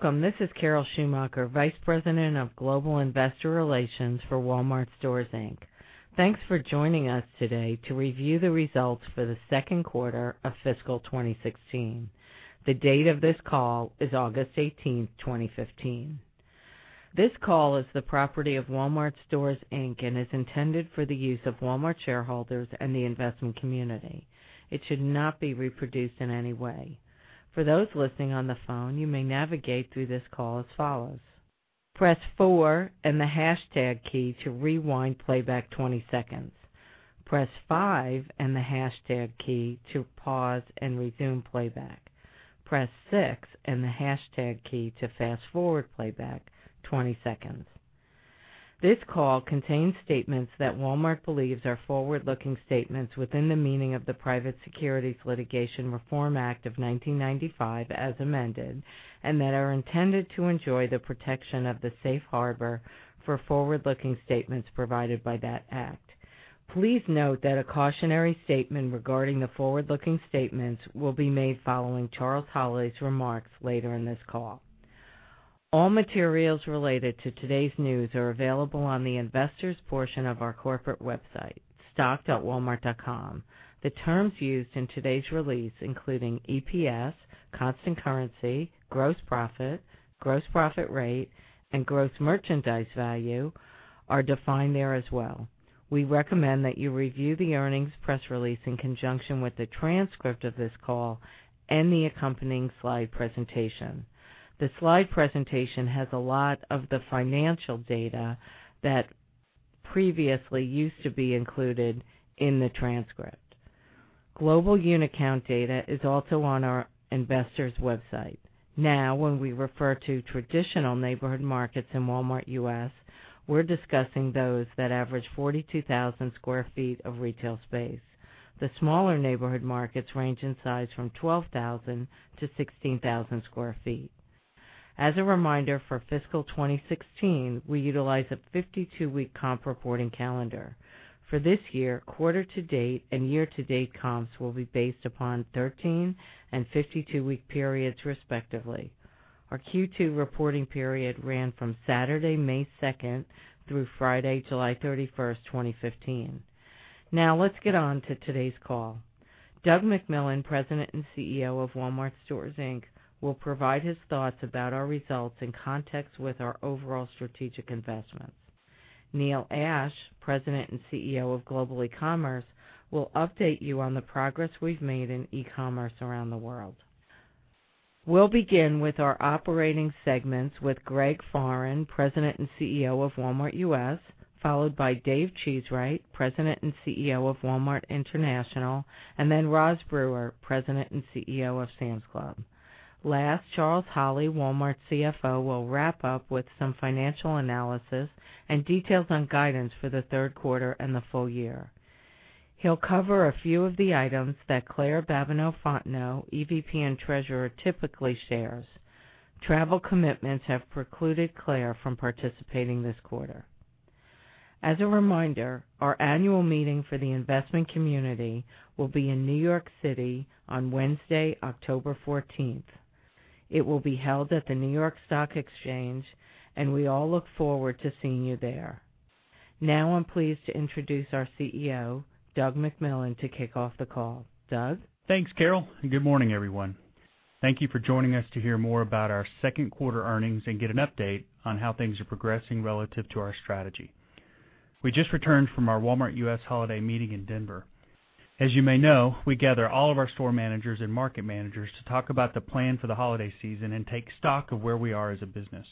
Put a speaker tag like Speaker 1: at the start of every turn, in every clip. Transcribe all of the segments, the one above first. Speaker 1: Welcome. This is Carol Schumacher, Vice President of Global Investor Relations for Walmart Stores, Inc. Thanks for joining us today to review the results for the second quarter of fiscal 2016. The date of this call is August 18, 2015. This call is the property of Walmart Stores, Inc. and is intended for the use of Walmart shareholders and the investment community. It should not be reproduced in any way. For those listening on the phone, you may navigate through this call as follows: press four and the hashtag key to rewind playback 20 seconds. Press five and the hashtag key to pause and resume playback. Press six and the hashtag key to fast-forward playback 20 seconds. This call contains statements that Walmart believes are forward-looking statements within the meaning of the Private Securities Litigation Reform Act of 1995 as amended, that are intended to enjoy the protection of the safe harbor for forward-looking statements provided by that act. Please note that a cautionary statement regarding the forward-looking statements will be made following Charles Holley's remarks later in this call. All materials related to today's news are available on the investors' portion of our corporate website, stock.walmart.com. The terms used in today's release, including EPS, constant currency, gross profit, gross profit rate, and gross merchandise value, are defined there as well. We recommend that you review the earnings press release in conjunction with the transcript of this call and the accompanying slide presentation. The slide presentation has a lot of the financial data that previously used to be included in the transcript. Global unit count data is also on our investors' website. When we refer to traditional Neighborhood Markets in Walmart U.S., we're discussing those that average 42,000 square feet of retail space. The smaller Neighborhood Markets range in size from 12,000 to 16,000 square feet. As a reminder for fiscal 2016, we utilize a 52-week comp reporting calendar. For this year, quarter to date and year to date comps will be based upon 13 and 52-week periods respectively. Our Q2 reporting period ran from Saturday, May 2nd through Friday, July 31st, 2015. Let's get on to today's call. Doug McMillon, President and CEO of Walmart Stores, Inc., will provide his thoughts about our results in context with our overall strategic investments. Neil Ashe, President and CEO of Walmart Global eCommerce, will update you on the progress we've made in e-commerce around the world. We'll begin with our operating segments with Greg Foran, President and CEO of Walmart U.S., followed by Dave Cheesewright, President and CEO of Walmart International. Then Roz Brewer, President and CEO of Sam's Club. Last, Charles Holley, Walmart's CFO, will wrap up with some financial analysis and details on guidance for the third quarter and the full year. He'll cover a few of the items that Claire Babineaux-Fontenot, EVP and Treasurer, typically shares. Travel commitments have precluded Claire from participating this quarter. As a reminder, our annual meeting for the investment community will be in New York City on Wednesday, October 14th. It will be held at the New York Stock Exchange. We all look forward to seeing you there. I'm pleased to introduce our CEO, Doug McMillon, to kick off the call. Doug?
Speaker 2: Thanks, Carol. Good morning, everyone. Thank you for joining us to hear more about our second quarter earnings and get an update on how things are progressing relative to our strategy. We just returned from our Walmart U.S. holiday meeting in Denver. As you may know, we gather all of our store managers and market managers to talk about the plan for the holiday season and take stock of where we are as a business.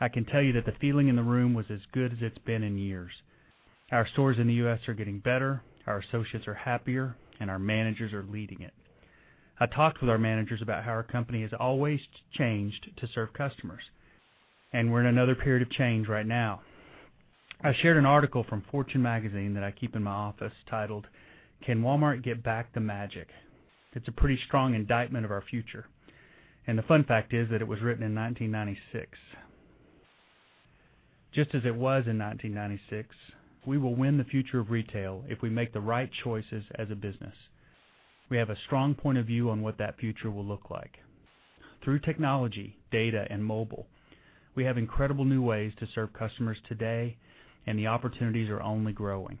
Speaker 2: I can tell you that the feeling in the room was as good as it's been in years. Our stores in the U.S. are getting better, our associates are happier, and our managers are leading it. I talked with our managers about how our company has always changed to serve customers. We're in another period of change right now. I shared an article from Fortune magazine that I keep in my office titled, "Can Walmart Get Back the Magic?" It's a pretty strong indictment of our future. The fun fact is that it was written in 1996. Just as it was in 1996, we will win the future of retail if we make the right choices as a business. We have a strong point of view on what that future will look like. Through technology, data, and mobile, we have incredible new ways to serve customers today. The opportunities are only growing.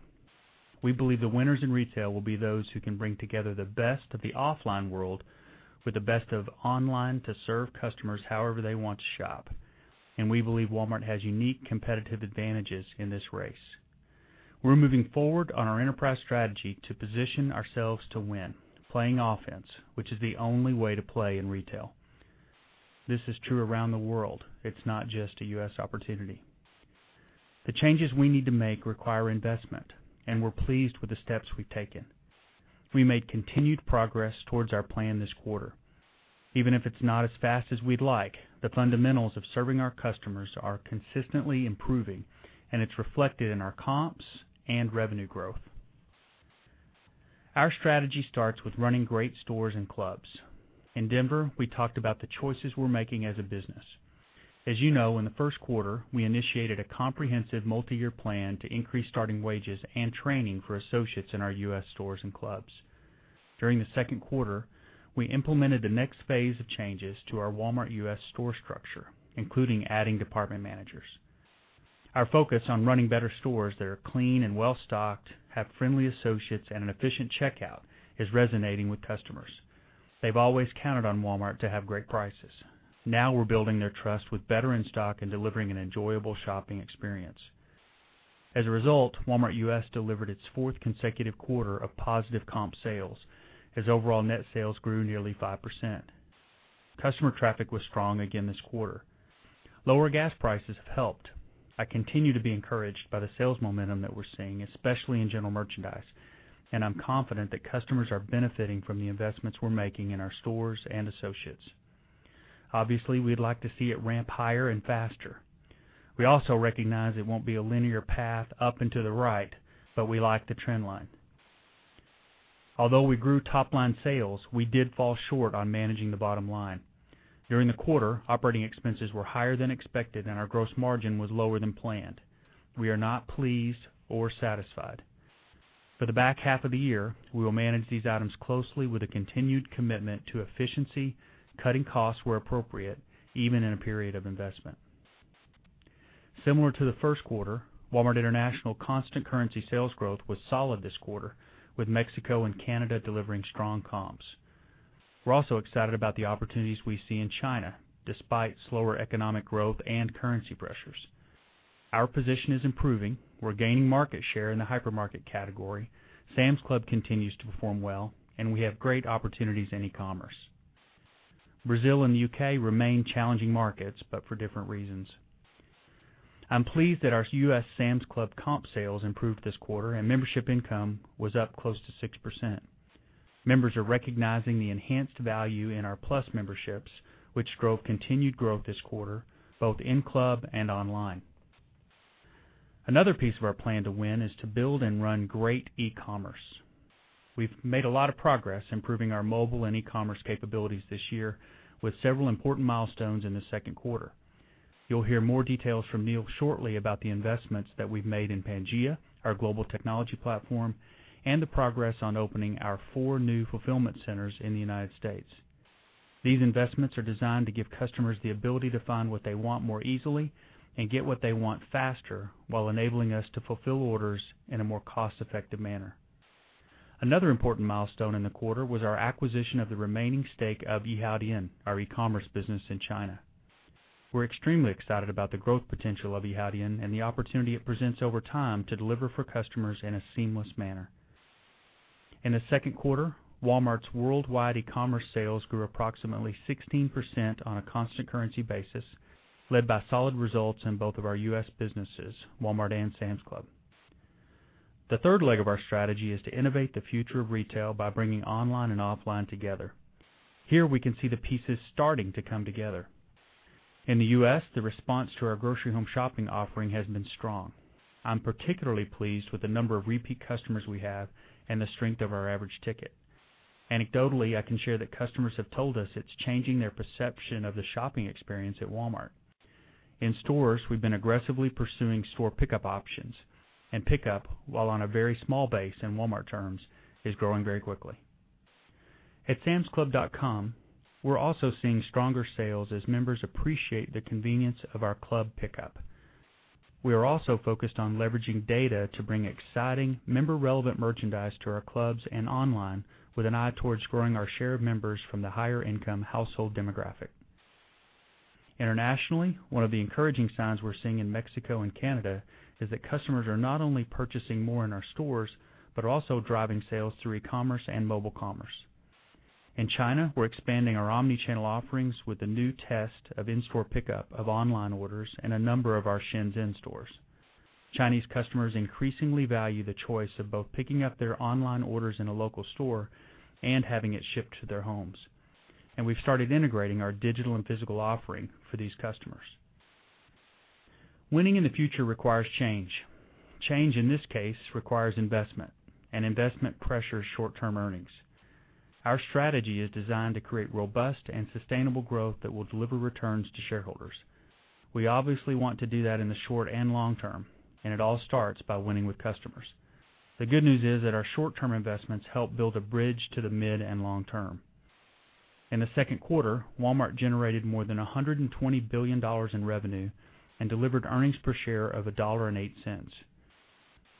Speaker 2: We believe the winners in retail will be those who can bring together the best of the offline world with the best of online to serve customers however they want to shop. We believe Walmart has unique competitive advantages in this race. We're moving forward on our enterprise strategy to position ourselves to win, playing offense, which is the only way to play in retail. This is true around the world. It's not just a U.S. opportunity. The changes we need to make require investment. We're pleased with the steps we've taken. We made continued progress towards our plan this quarter. Even if it's not as fast as we'd like, the fundamentals of serving our customers are consistently improving, and it's reflected in our comps and revenue growth. Our strategy starts with running great stores and clubs. In Denver, we talked about the choices we're making as a business. As you know, in the first quarter, we initiated a comprehensive multi-year plan to increase starting wages and training for associates in our U.S. stores and clubs. During the second quarter, we implemented the next phase of changes to our Walmart U.S. store structure, including adding department managers. Our focus on running better stores that are clean and well-stocked, have friendly associates, and an efficient checkout is resonating with customers. They've always counted on Walmart to have great prices. Now we're building their trust with better in-stock and delivering an enjoyable shopping experience. As a result, Walmart U.S. delivered its fourth consecutive quarter of positive comp sales as overall net sales grew nearly 5%. Customer traffic was strong again this quarter. Lower gas prices have helped. I continue to be encouraged by the sales momentum that we're seeing, especially in general merchandise. I'm confident that customers are benefiting from the investments we're making in our stores and associates. Obviously, we'd like to see it ramp higher and faster. We also recognize it won't be a linear path up and to the right, but we like the trend line. Although we grew top-line sales, we did fall short on managing the bottom line. During the quarter, operating expenses were higher than expected, and our gross margin was lower than planned. We are not pleased or satisfied. For the back half of the year, we will manage these items closely with a continued commitment to efficiency, cutting costs where appropriate, even in a period of investment. Similar to the first quarter, Walmart International constant currency sales growth was solid this quarter, with Mexico and Canada delivering strong comps. We're also excited about the opportunities we see in China, despite slower economic growth and currency pressures. Our position is improving. We're gaining market share in the hypermarket category. Sam's Club continues to perform well, and we have great opportunities in e-commerce. Brazil and the U.K. remain challenging markets, but for different reasons. I'm pleased that our U.S. Sam's Club comp sales improved this quarter, and membership income was up close to 6%. Members are recognizing the enhanced value in our plus memberships, which drove continued growth this quarter, both in-club and online. Another piece of our plan to win is to build and run great e-commerce. We've made a lot of progress improving our mobile and e-commerce capabilities this year with several important milestones in the second quarter. You'll hear more details from Neil shortly about the investments that we've made in Pangaea, our global technology platform, and the progress on opening our four new fulfillment centers in the United States. These investments are designed to give customers the ability to find what they want more easily and get what they want faster while enabling us to fulfill orders in a more cost-effective manner. Another important milestone in the quarter was our acquisition of the remaining stake of Yihaodian, our e-commerce business in China. We're extremely excited about the growth potential of Yihaodian and the opportunity it presents over time to deliver for customers in a seamless manner. In the second quarter, Walmart's worldwide e-commerce sales grew approximately 16% on a constant currency basis, led by solid results in both of our U.S. businesses, Walmart and Sam's Club. The third leg of our strategy is to innovate the future of retail by bringing online and offline together. Here we can see the pieces starting to come together. In the U.S., the response to our grocery home shopping offering has been strong. I'm particularly pleased with the number of repeat customers we have and the strength of our average ticket. Anecdotally, I can share that customers have told us it's changing their perception of the shopping experience at Walmart. In stores, we've been aggressively pursuing store pickup options, and pickup, while on a very small base in Walmart terms, is growing very quickly. At samsclub.com, we're also seeing stronger sales as members appreciate the convenience of our club pickup. We are also focused on leveraging data to bring exciting member-relevant merchandise to our clubs and online with an eye towards growing our share of members from the higher-income household demographic. Internationally, one of the encouraging signs we're seeing in Mexico and Canada is that customers are not only purchasing more in our stores, but also driving sales through e-commerce and mobile commerce. In China, we're expanding our omni-channel offerings with the new test of in-store pickup of online orders in a number of our Shenzhen stores. Chinese customers increasingly value the choice of both picking up their online orders in a local store and having it shipped to their homes. We've started integrating our digital and physical offering for these customers. Winning in the future requires change. Change, in this case, requires investment pressures short-term earnings. Our strategy is designed to create robust and sustainable growth that will deliver returns to shareholders. We obviously want to do that in the short and long term, it all starts by winning with customers. The good news is that our short-term investments help build a bridge to the mid and long term. In the second quarter, Walmart generated more than $120 billion in revenue and delivered earnings per share of $1.08.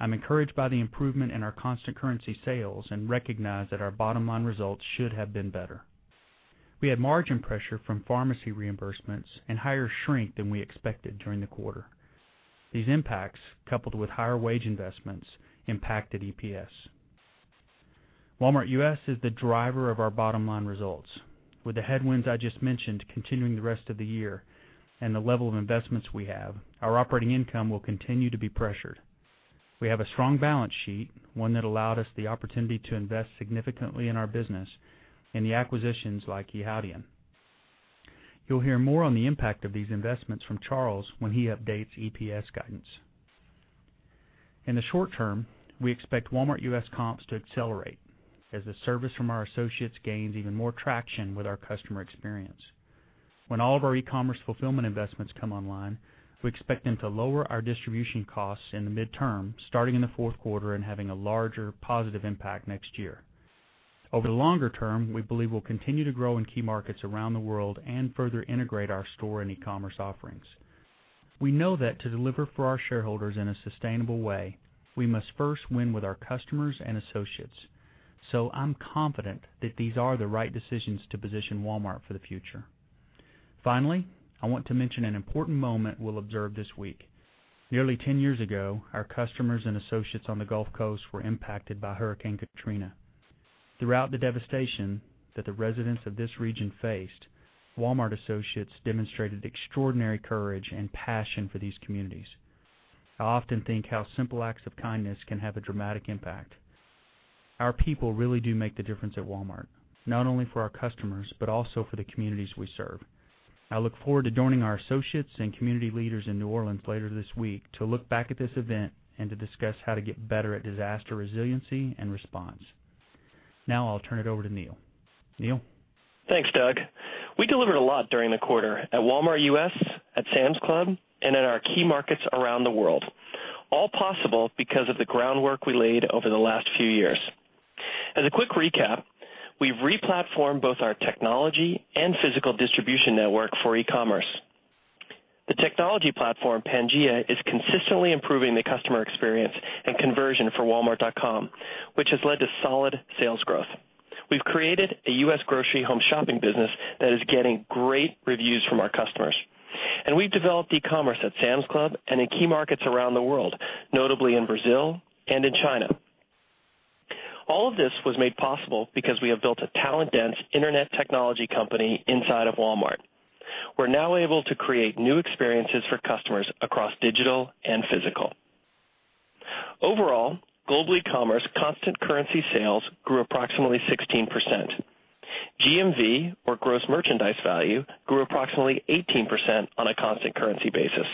Speaker 2: I'm encouraged by the improvement in our constant currency sales and recognize that our bottom-line results should have been better. We had margin pressure from pharmacy reimbursements and higher shrink than we expected during the quarter. These impacts, coupled with higher wage investments, impacted EPS. Walmart U.S. is the driver of our bottom-line results. With the headwinds I just mentioned continuing the rest of the year and the level of investments we have, our operating income will continue to be pressured. We have a strong balance sheet, one that allowed us the opportunity to invest significantly in our business in the acquisitions like Yihaodian. You'll hear more on the impact of these investments from Charles when he updates EPS guidance. In the short term, we expect Walmart U.S. comps to accelerate as the service from our associates gains even more traction with our customer experience. When all of our e-commerce fulfillment investments come online, we expect them to lower our distribution costs in the midterm, starting in the fourth quarter and having a larger positive impact next year. Over the longer term, we believe we'll continue to grow in key markets around the world and further integrate our store and e-commerce offerings. We know that to deliver for our shareholders in a sustainable way, we must first win with our customers and associates. I'm confident that these are the right decisions to position Walmart for the future. Finally, I want to mention an important moment we'll observe this week. Nearly 10 years ago, our customers and associates on the Gulf Coast were impacted by Hurricane Katrina. Throughout the devastation that the residents of this region faced, Walmart associates demonstrated extraordinary courage and passion for these communities. I often think how simple acts of kindness can have a dramatic impact. Our people really do make the difference at Walmart, not only for our customers, but also for the communities we serve. I look forward to joining our associates and community leaders in New Orleans later this week to look back at this event and to discuss how to get better at disaster resiliency and response. Now I'll turn it over to Neil. Neil?
Speaker 3: Thanks, Doug. We delivered a lot during the quarter at Walmart U.S., at Sam's Club, and at our key markets around the world, all possible because of the groundwork we laid over the last few years. As a quick recap, we've re-platformed both our technology and physical distribution network for e-commerce. The technology platform, Pangaea, is consistently improving the customer experience and conversion for walmart.com, which has led to solid sales growth. We've created a U.S. grocery home shopping business that is getting great reviews from our customers. And we've developed e-commerce at Sam's Club and in key markets around the world, notably in Brazil and in China. All of this was made possible because we have built a talent-dense internet technology company inside of Walmart. We're now able to create new experiences for customers across digital and physical. Overall, global e-commerce constant currency sales grew approximately 16%. GMV, or gross merchandise value, grew approximately 18% on a constant currency basis.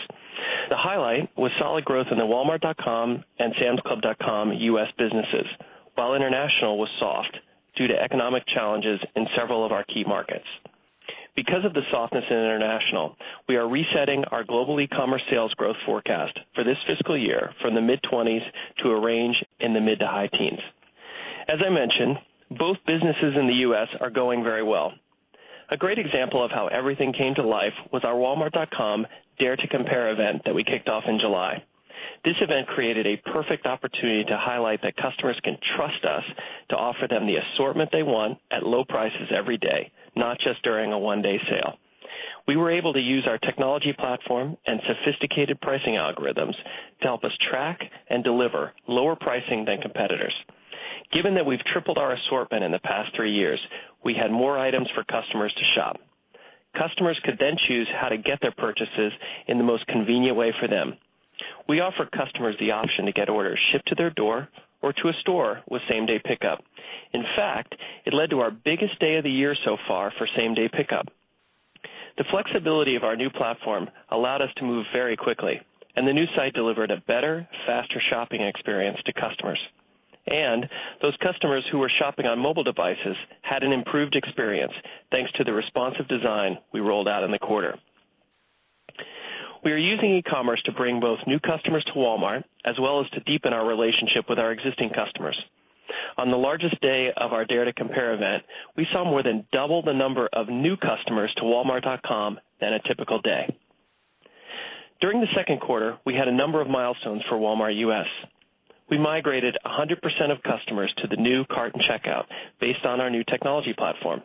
Speaker 3: The highlight was solid growth in the walmart.com and samsclub.com U.S. businesses, while international was soft due to economic challenges in several of our key markets. Because of the softness in international, we are resetting our global e-commerce sales growth forecast for this fiscal year from the mid-20s to a range in the mid-to-high teens. As I mentioned, both businesses in the U.S. are going very well. A great example of how everything came to life was our walmart.com Dare to Compare event that we kicked off in July. This event created a perfect opportunity to highlight that customers can trust us to offer them the assortment they want at low prices every day, not just during a one-day sale. We were able to use our technology platform and sophisticated pricing algorithms to help us track and deliver lower pricing than competitors. Given that we've tripled our assortment in the past three years, we had more items for customers to shop. Customers could then choose how to get their purchases in the most convenient way for them. We offered customers the option to get orders shipped to their door or to a store with same-day pickup. In fact, it led to our biggest day of the year so far for same-day pickup. The flexibility of our new platform allowed us to move very quickly, and the new site delivered a better, faster shopping experience to customers. And those customers who were shopping on mobile devices had an improved experience, thanks to the responsive design we rolled out in the quarter. We are using e-commerce to bring both new customers to Walmart, as well as to deepen our relationship with our existing customers. On the largest day of our Dare to Compare event, we saw more than double the number of new customers to walmart.com than a typical day. During the second quarter, we had a number of milestones for Walmart U.S. We migrated 100% of customers to the new cart and checkout based on our new technology platform.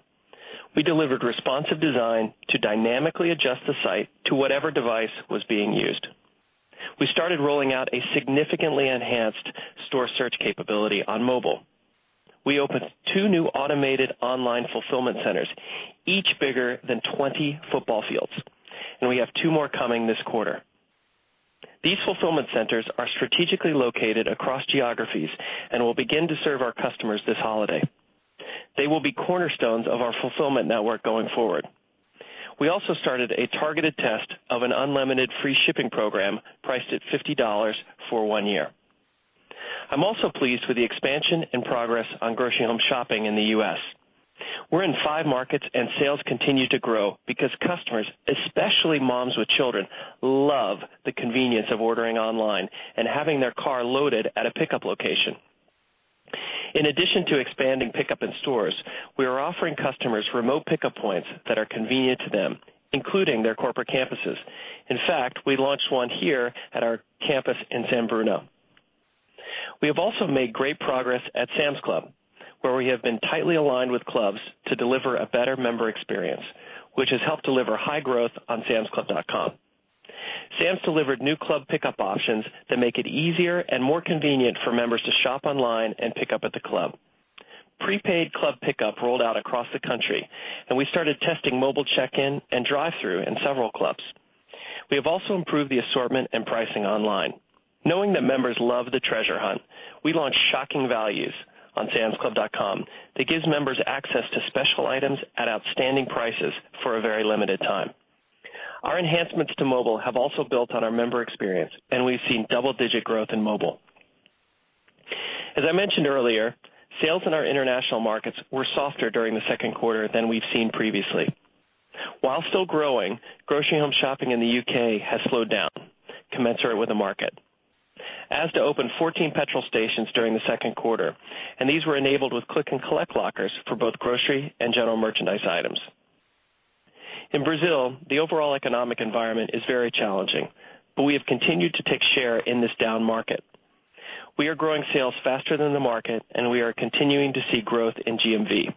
Speaker 3: We delivered responsive design to dynamically adjust the site to whatever device was being used. We started rolling out a significantly enhanced store search capability on mobile. We opened two new automated online fulfillment centers, each bigger than 20 football fields. And we have two more coming this quarter. These fulfillment centers are strategically located across geographies and will begin to serve our customers this holiday. They will be cornerstones of our fulfillment network going forward. We also started a targeted test of an unlimited free shipping program priced at $50 for one year. I'm also pleased with the expansion and progress on grocery home shopping in the U.S. We're in five markets and sales continue to grow because customers, especially moms with children, love the convenience of ordering online and having their car loaded at a pickup location. In addition to expanding pickup in stores, we are offering customers remote pickup points that are convenient to them, including their corporate campuses. In fact, we launched one here at our campus in San Bruno. We have also made great progress at Sam's Club, where we have been tightly aligned with clubs to deliver a better member experience, which has helped deliver high growth on samsclub.com. Sam's delivered new club pickup options that make it easier and more convenient for members to shop online and pick up at the club. Prepaid club pickup rolled out across the country. We started testing mobile check-in and drive-thru in several clubs. We have also improved the assortment and pricing online. Knowing that members love the treasure hunt, we launched Shocking Values on samsclub.com that gives members access to special items at outstanding prices for a very limited time. Our enhancements to mobile have also built on our member experience. We've seen double-digit growth in mobile. As I mentioned earlier, sales in our international markets were softer during the second quarter than we've seen previously. While still growing, grocery home shopping in the U.K. has slowed down, commensurate with the market. Asda opened 14 petrol stations during the second quarter. These were enabled with click and collect lockers for both grocery and general merchandise items. In Brazil, the overall economic environment is very challenging. We have continued to take share in this down market. We are growing sales faster than the market. We are continuing to see growth in GMV.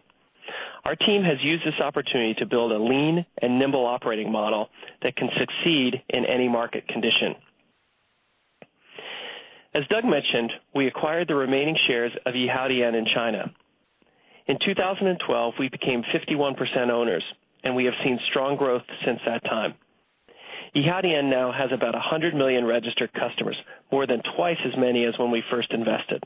Speaker 3: Our team has used this opportunity to build a lean and nimble operating model that can succeed in any market condition. As Doug mentioned, we acquired the remaining shares of Yihaodian in China. In 2012, we became 51% owners. We have seen strong growth since that time. Yihaodian now has about 100 million registered customers, more than twice as many as when we first invested.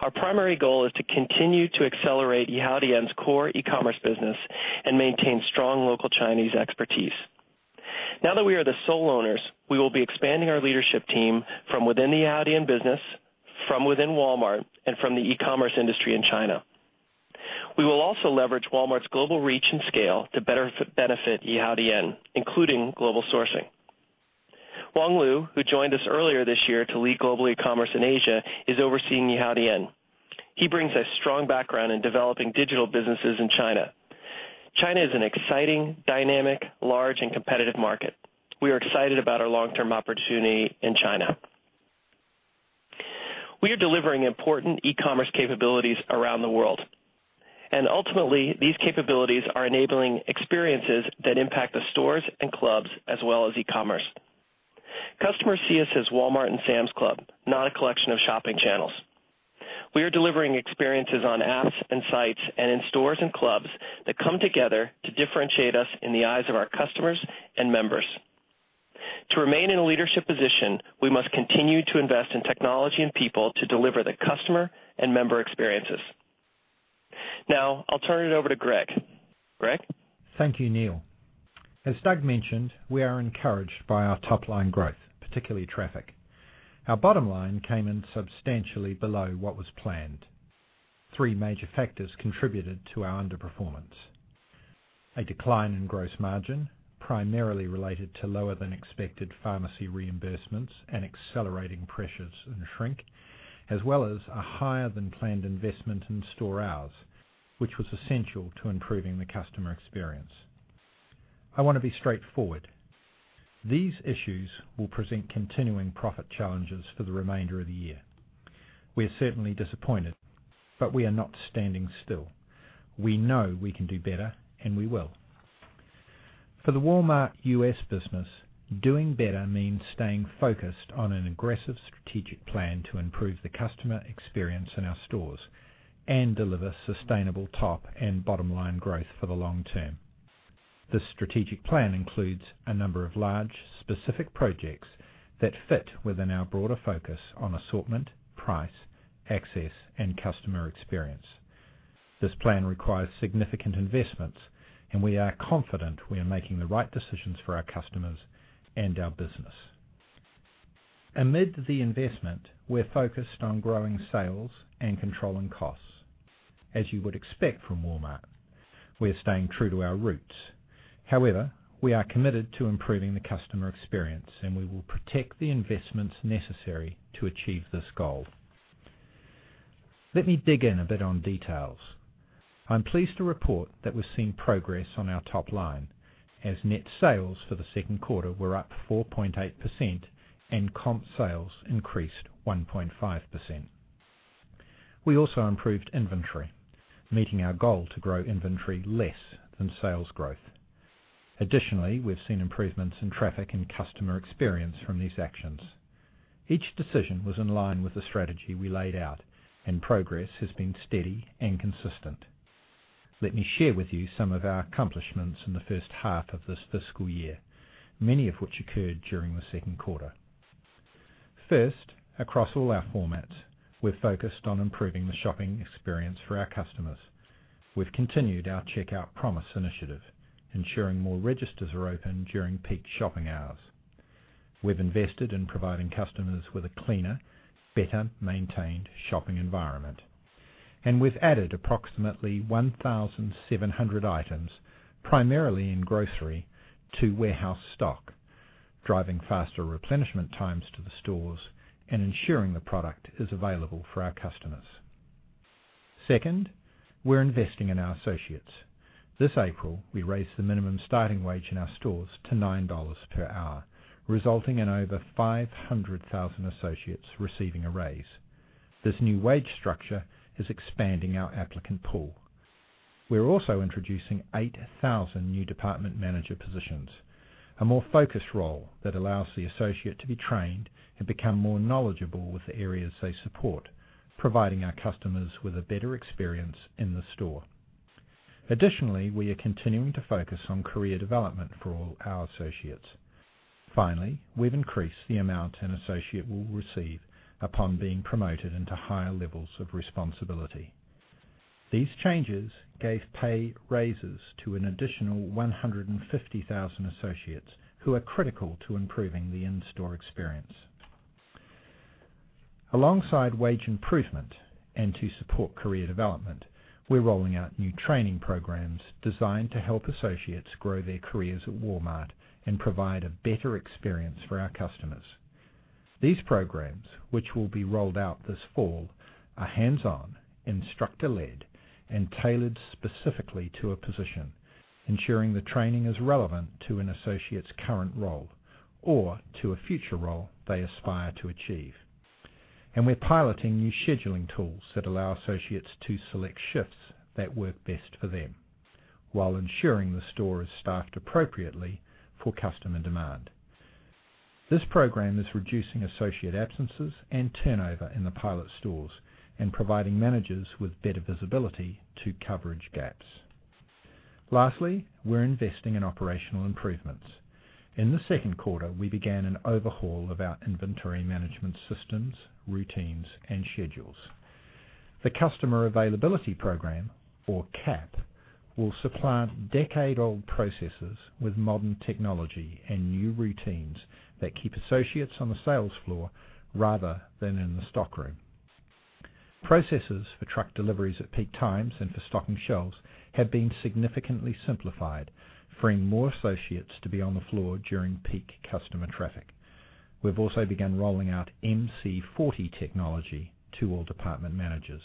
Speaker 3: Our primary goal is to continue to accelerate Yihaodian's core e-commerce business and maintain strong local Chinese expertise. Now that we are the sole owners, we will be expanding our leadership team from within the Yihaodian business, from within Walmart, and from the e-commerce industry in China. We will also leverage Walmart's global reach and scale to better benefit Yihaodian, including global sourcing. Wang Lu, who joined us earlier this year to lead global e-commerce in Asia, is overseeing Yihaodian. He brings a strong background in developing digital businesses in China. China is an exciting, dynamic, large, and competitive market. We are excited about our long-term opportunity in China. We are delivering important e-commerce capabilities around the world. Ultimately, these capabilities are enabling experiences that impact the stores and clubs as well as e-commerce. Customers see us as Walmart and Sam's Club, not a collection of shopping channels. We are delivering experiences on apps and sites and in stores and clubs that come together to differentiate us in the eyes of our customers and members. To remain in a leadership position, we must continue to invest in technology and people to deliver the customer and member experiences. Now, I'll turn it over to Greg. Greg?
Speaker 4: Thank you, Neil. As Doug mentioned, we are encouraged by our top-line growth, particularly traffic. Our bottom line came in substantially below what was planned. Three major factors contributed to our underperformance. A decline in gross margin, primarily related to lower-than-expected pharmacy reimbursements and accelerating pressures in shrink, as well as a higher-than-planned investment in store hours, which was essential to improving the customer experience. I want to be straightforward. These issues will present continuing profit challenges for the remainder of the year. We are certainly disappointed, but we are not standing still. We know we can do better, and we will. For the Walmart U.S. business, doing better means staying focused on an aggressive strategic plan to improve the customer experience in our stores and deliver sustainable top and bottom-line growth for the long term. This strategic plan includes a number of large, specific projects that fit within our broader focus on assortment, price, access, and customer experience. This plan requires significant investments, and we are confident we are making the right decisions for our customers and our business. Amid the investment, we're focused on growing sales and controlling costs. As you would expect from Walmart, we're staying true to our roots. However, we are committed to improving the customer experience, and we will protect the investments necessary to achieve this goal. Let me dig in a bit on details. I'm pleased to report that we're seeing progress on our top line, as net sales for the second quarter were up 4.8% and comp sales increased 1.5%. We also improved inventory, meeting our goal to grow inventory less than sales growth. Additionally, we've seen improvements in traffic and customer experience from these actions. Each decision was in line with the strategy we laid out, progress has been steady and consistent. Let me share with you some of our accomplishments in the first half of this fiscal year, many of which occurred during the second quarter. First, across all our formats, we're focused on improving the shopping experience for our customers. We've continued our Checkout Promise initiative, ensuring more registers are open during peak shopping hours. We've invested in providing customers with a cleaner, better-maintained shopping environment. We've added approximately 1,700 items, primarily in grocery, to warehouse stock, driving faster replenishment times to the stores and ensuring the product is available for our customers. Second, we're investing in our associates. This April, we raised the minimum starting wage in our stores to $9 per hour, resulting in over 500,000 associates receiving a raise. This new wage structure is expanding our applicant pool. We're also introducing 8,000 new department manager positions, a more focused role that allows the associate to be trained and become more knowledgeable with the areas they support, providing our customers with a better experience in the store. Additionally, we are continuing to focus on career development for all our associates. Finally, we've increased the amount an associate will receive upon being promoted into higher levels of responsibility. These changes gave pay raises to an additional 150,000 associates who are critical to improving the in-store experience. Alongside wage improvement and to support career development, we're rolling out new training programs designed to help associates grow their careers at Walmart and provide a better experience for our customers. These programs, which will be rolled out this fall, are hands-on, instructor-led, and tailored specifically to a position, ensuring the training is relevant to an associate's current role or to a future role they aspire to achieve. We're piloting new scheduling tools that allow associates to select shifts that work best for them while ensuring the store is staffed appropriately for customer demand. This program is reducing associate absences and turnover in the pilot stores and providing managers with better visibility to coverage gaps. Lastly, we're investing in operational improvements. In the second quarter, we began an overhaul of our inventory management systems, routines, and schedules. The Customer Availability Program, or CAP, will supplant decade-old processes with modern technology and new routines that keep associates on the sales floor rather than in the stockroom. Processes for truck deliveries at peak times and for stocking shelves have been significantly simplified, freeing more associates to be on the floor during peak customer traffic. We've also begun rolling out MC40 technology to all department managers.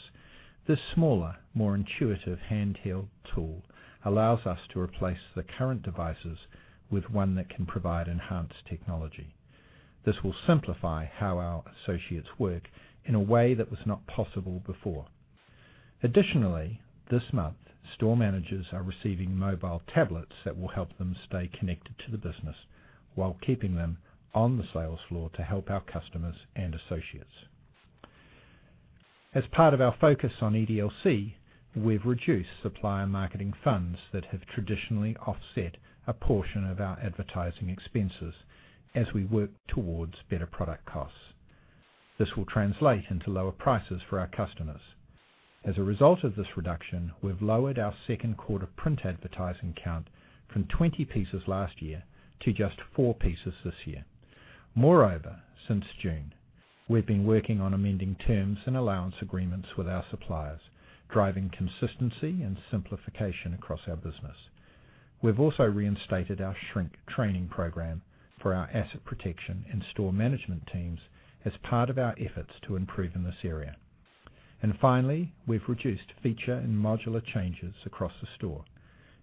Speaker 4: This smaller, more intuitive handheld tool allows us to replace the current devices with one that can provide enhanced technology. This will simplify how our associates work in a way that was not possible before. Additionally, this month, store managers are receiving mobile tablets that will help them stay connected to the business while keeping them on the sales floor to help our customers and associates. As part of our focus on EDLC, we've reduced supplier marketing funds that have traditionally offset a portion of our advertising expenses as we work towards better product costs. This will translate into lower prices for our customers. As a result of this reduction, we've lowered our second quarter print advertising count from 20 pieces last year to just four pieces this year. Moreover, since June, we've been working on amending terms and allowance agreements with our suppliers, driving consistency and simplification across our business. We've also reinstated our shrink training program for our asset protection and store management teams as part of our efforts to improve in this area. Finally, we've reduced feature and modular changes across the store,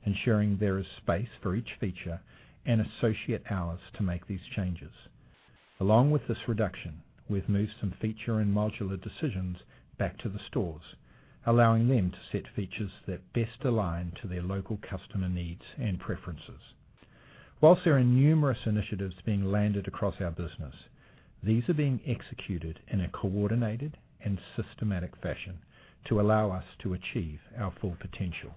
Speaker 4: ensuring there is space for each feature and associate hours to make these changes. Along with this reduction, we've moved some feature and modular decisions back to the stores, allowing them to set features that best align to their local customer needs and preferences. Whilst there are numerous initiatives being landed across our business, these are being executed in a coordinated and systematic fashion to allow us to achieve our full potential.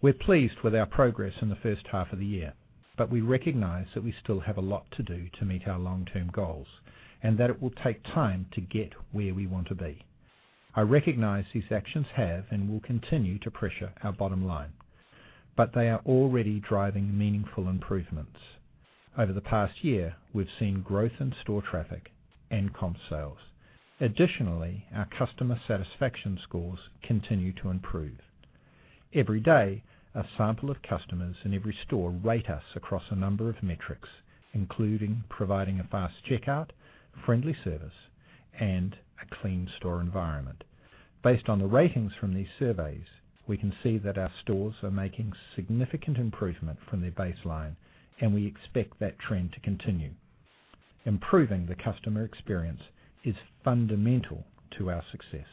Speaker 4: We're pleased with our progress in the first half of the year, but we recognize that we still have a lot to do to meet our long-term goals, and that it will take time to get where we want to be. I recognize these actions have and will continue to pressure our bottom line, but they are already driving meaningful improvements. Over the past year, we've seen growth in store traffic and comp sales. Additionally, our customer satisfaction scores continue to improve. Every day, a sample of customers in every store rate us across a number of metrics, including providing a fast checkout, friendly service, and a clean store environment. Based on the ratings from these surveys, we can see that our stores are making significant improvement from their baseline, and we expect that trend to continue. Improving the customer experience is fundamental to our success.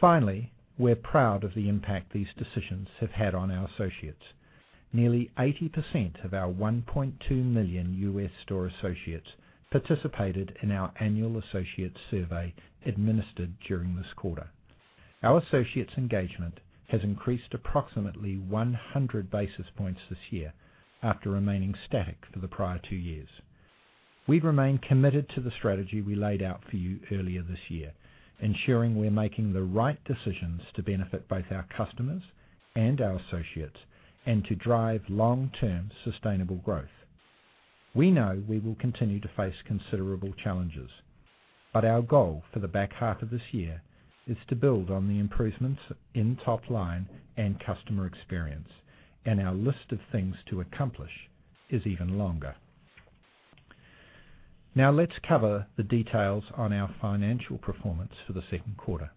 Speaker 4: Finally, we're proud of the impact these decisions have had on our associates. Nearly 80% of our 1.2 million U.S. store associates participated in our annual associate survey administered during this quarter. Our associates' engagement has increased approximately 100 basis points this year after remaining static for the prior two years. We remain committed to the strategy we laid out for you earlier this year, ensuring we're making the right decisions to benefit both our customers and our associates and to drive long-term sustainable growth. We know we will continue to face considerable challenges, but our goal for the back half of this year is to build on the improvements in top line and customer experience, and our list of things to accomplish is even longer. Now let's cover the details on our financial performance for the second quarter.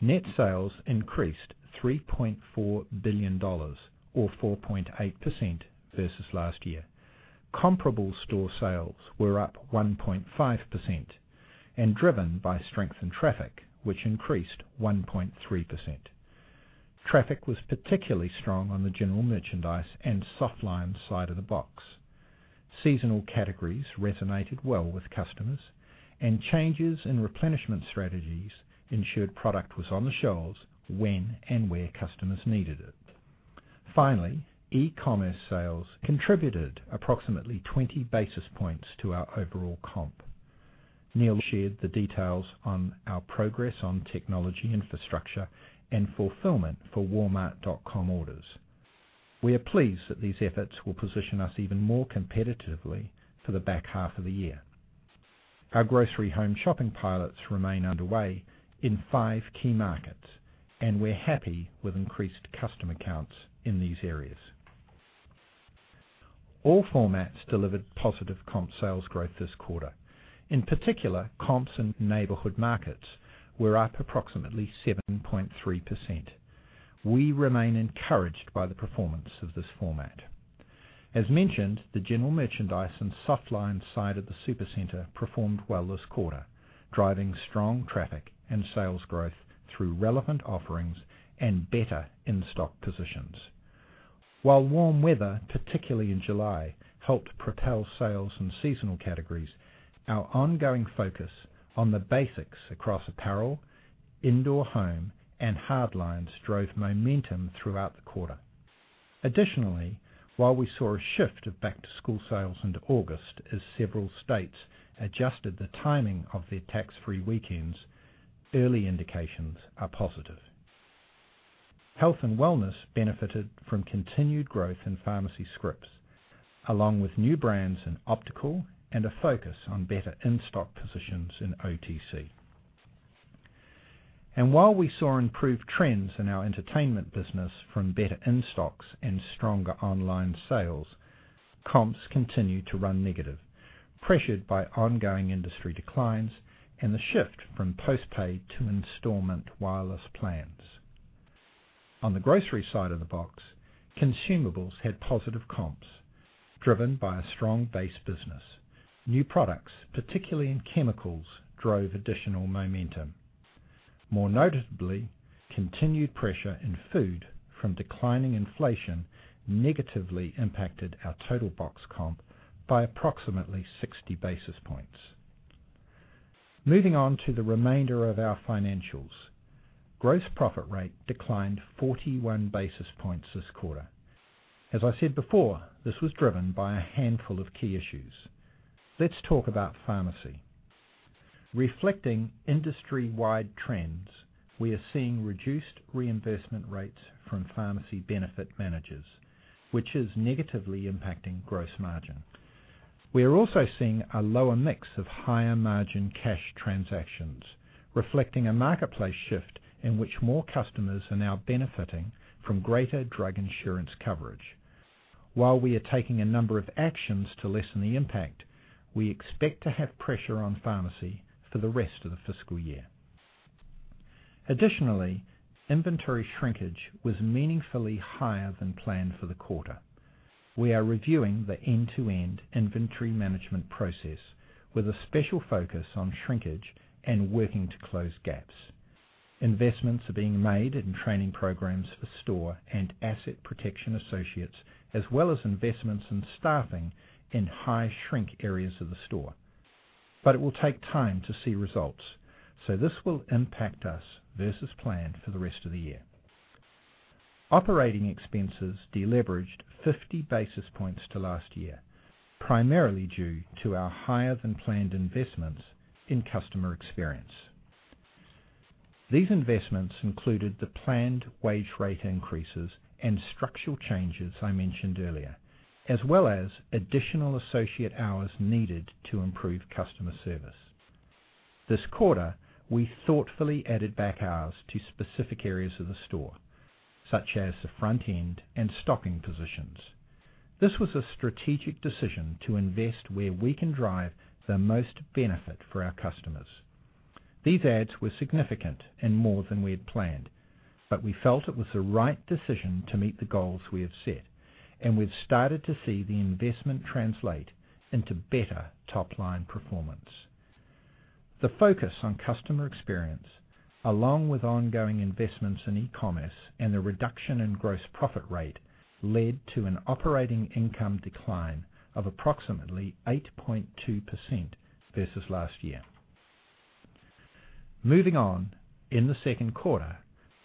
Speaker 4: Net sales increased $3.4 billion, or 4.8%, versus last year. Comparable store sales were up 1.5% and driven by strength in traffic, which increased 1.3%. Traffic was particularly strong on the general merchandise and softline side of the box. Seasonal categories resonated well with customers, and changes in replenishment strategies ensured product was on the shelves when and where customers needed it. Finally, e-commerce sales contributed approximately 20 basis points to our overall comp. Neil shared the details on our progress on technology infrastructure and fulfillment for walmart.com orders. We are pleased that these efforts will position us even more competitively for the back half of the year. Our grocery home shopping pilots remain underway in five key markets, and we're happy with increased customer counts in these areas. All formats delivered positive comp sales growth this quarter. In particular, comps and Neighborhood Markets were up approximately 7.3%. We remain encouraged by the performance of this format. As mentioned, the general merchandise and softline side of the Supercenter performed well this quarter, driving strong traffic and sales growth through relevant offerings and better in-stock positions. While warm weather, particularly in July, helped propel sales in seasonal categories, our ongoing focus on the basics across apparel, indoor home, and hard lines drove momentum throughout the quarter. While we saw a shift of back-to-school sales into August as several states adjusted the timing of their tax-free weekends, early indications are positive. Health and wellness benefited from continued growth in pharmacy scripts, along with new brands in optical and a focus on better in-stock positions in OTC. While we saw improved trends in our entertainment business from better in-stocks and stronger online sales, comps continued to run negative, pressured by ongoing industry declines and the shift from postpaid to installment wireless plans. On the grocery side of the box, consumables had positive comps, driven by a strong base business. New products, particularly in chemicals, drove additional momentum. More notably, continued pressure in food from declining inflation negatively impacted our total box comp by approximately 60 basis points. Moving on to the remainder of our financials. gross profit rate declined 41 basis points this quarter. As I said before, this was driven by a handful of key issues. Let's talk about pharmacy. Reflecting industry-wide trends, we are seeing reduced reimbursement rates from pharmacy benefit managers, which is negatively impacting gross margin. We are also seeing a lower mix of higher-margin cash transactions, reflecting a marketplace shift in which more customers are now benefiting from greater drug insurance coverage. While we are taking a number of actions to lessen the impact, we expect to have pressure on pharmacy for the rest of the fiscal year. Inventory shrinkage was meaningfully higher than planned for the quarter. We are reviewing the end-to-end inventory management process with a special focus on shrinkage and working to close gaps. Investments are being made in training programs for store and asset protection associates, as well as investments in staffing in high shrink areas of the store. It will take time to see results, so this will impact us versus plan for the rest of the year. Operating expenses deleveraged 50 basis points to last year, primarily due to our higher-than-planned investments in customer experience. These investments included the planned wage rate increases and structural changes I mentioned earlier, as well as additional associate hours needed to improve customer service. This quarter, we thoughtfully added back hours to specific areas of the store, such as the front end and stocking positions. This was a strategic decision to invest where we can drive the most benefit for our customers. These adds were significant and more than we had planned, we felt it was the right decision to meet the goals we have set, and we've started to see the investment translate into better top-line performance. The focus on customer experience, along with ongoing investments in e-commerce and the reduction in gross profit rate, led to an operating income decline of approximately 8.2% versus last year. Moving on, in the second quarter,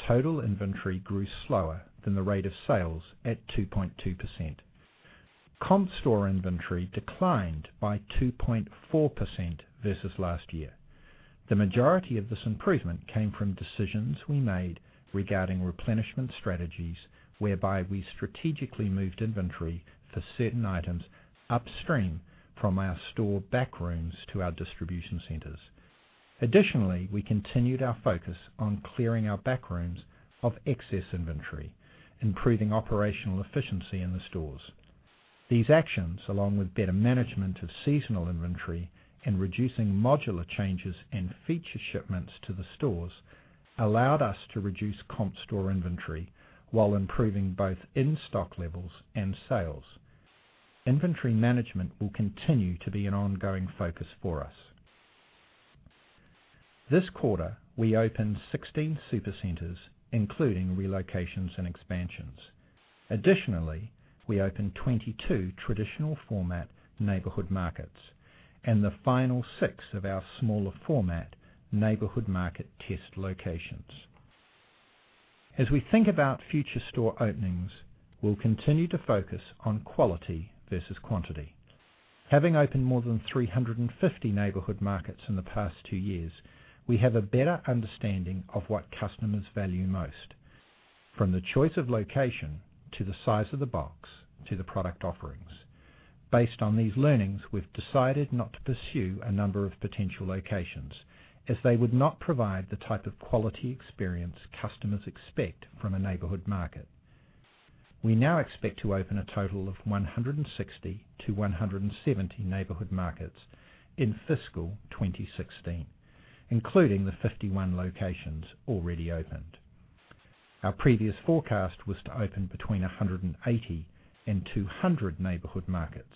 Speaker 4: total inventory grew slower than the rate of sales at 2.2%. Comp store inventory declined by 2.4% versus last year. The majority of this improvement came from decisions we made regarding replenishment strategies, whereby we strategically moved inventory for certain items upstream from our store back rooms to our distribution centers. We continued our focus on clearing our back rooms of excess inventory, improving operational efficiency in the stores. These actions, along with better management of seasonal inventory and reducing modular changes and feature shipments to the stores, allowed us to reduce comp store inventory while improving both in-stock levels and sales. Inventory management will continue to be an ongoing focus for us. This quarter, we opened 16 Supercenters, including relocations and expansions. Additionally, we opened 22 traditional format Neighborhood Markets and the final six of our smaller format Neighborhood Market test locations. As we think about future store openings, we'll continue to focus on quality versus quantity. Having opened more than 350 Neighborhood Markets in the past two years, we have a better understanding of what customers value most, from the choice of location to the size of the box, to the product offerings. Based on these learnings, we've decided not to pursue a number of potential locations as they would not provide the type of quality experience customers expect from a Neighborhood Market. We now expect to open a total of 160 to 170 Neighborhood Markets in fiscal 2016, including the 51 locations already opened. Our previous forecast was to open between 180 and 200 Neighborhood Markets.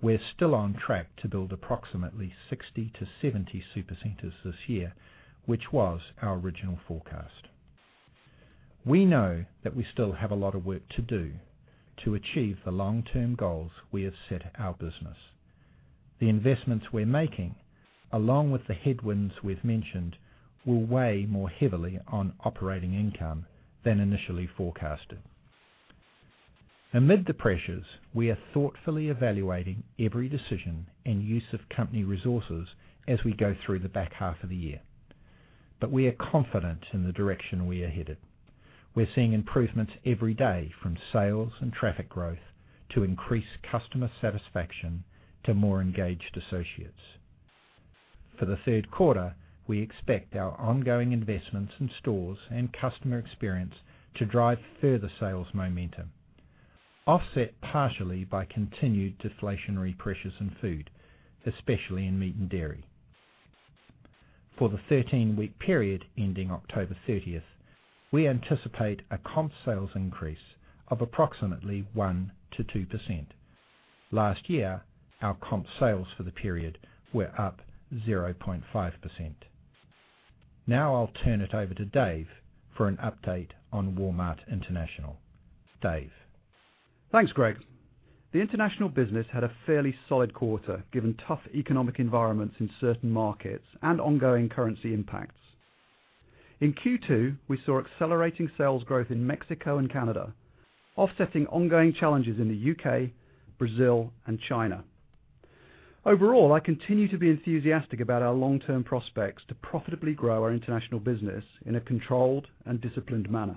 Speaker 4: We're still on track to build approximately 60 to 70 Supercenters this year, which was our original forecast. We know that we still have a lot of work to do to achieve the long-term goals we have set our business. The investments we're making, along with the headwinds we've mentioned, will weigh more heavily on operating income than initially forecasted. Amid the pressures, we are thoughtfully evaluating every decision and use of company resources as we go through the back half of the year, but we are confident in the direction we are headed. We're seeing improvements every day from sales and traffic growth, to increased customer satisfaction, to more engaged associates. For the third quarter, we expect our ongoing investments in stores and customer experience to drive further sales momentum, offset partially by continued deflationary pressures in food, especially in meat and dairy. For the 13-week period ending October 30th, we anticipate a comp sales increase of approximately 1%-2%. Last year, our comp sales for the period were up 0.5%. Now I'll turn it over to Dave for an update on Walmart International. Dave.
Speaker 5: Thanks, Greg. The international business had a fairly solid quarter given tough economic environments in certain markets and ongoing currency impacts. In Q2, we saw accelerating sales growth in Mexico and Canada, offsetting ongoing challenges in the U.K., Brazil, and China. Overall, I continue to be enthusiastic about our long-term prospects to profitably grow our international business in a controlled and disciplined manner.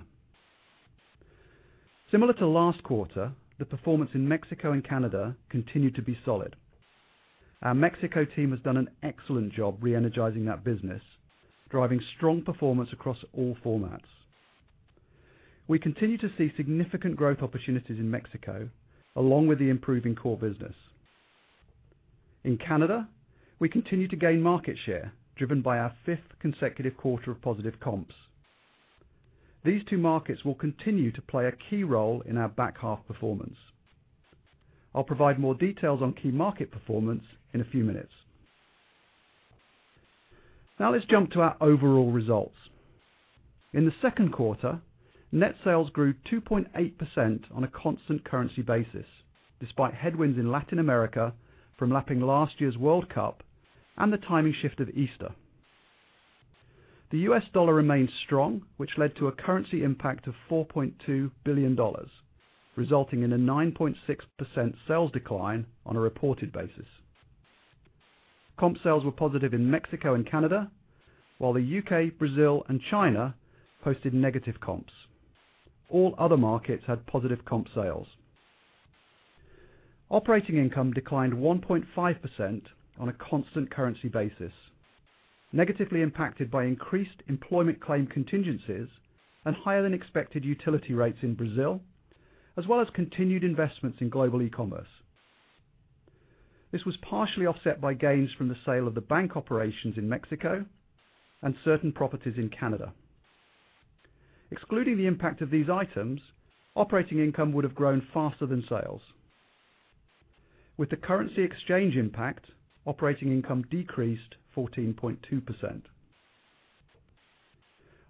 Speaker 5: Similar to last quarter, the performance in Mexico and Canada continued to be solid. Our Mexico team has done an excellent job re-energizing that business, driving strong performance across all formats. We continue to see significant growth opportunities in Mexico along with the improving core business. In Canada, we continue to gain market share driven by our fifth consecutive quarter of positive comps. These two markets will continue to play a key role in our back half performance. I'll provide more details on key market performance in a few minutes. Now let's jump to our overall results. In the second quarter, net sales grew 2.8% on a constant currency basis, despite headwinds in Latin America from lapping last year's World Cup and the timing shift of Easter. The U.S. dollar remained strong, which led to a currency impact of $4.2 billion, resulting in a 9.6% sales decline on a reported basis. Comp sales were positive in Mexico and Canada, while the U.K., Brazil, and China posted negative comps. All other markets had positive comp sales. Operating income declined 1.5% on a constant currency basis, negatively impacted by increased employment claim contingencies and higher-than-expected utility rates in Brazil, as well as continued investments in global e-commerce. This was partially offset by gains from the sale of the bank operations in Mexico and certain properties in Canada. Excluding the impact of these items, operating income would've grown faster than sales. With the currency exchange impact, operating income decreased 14.2%.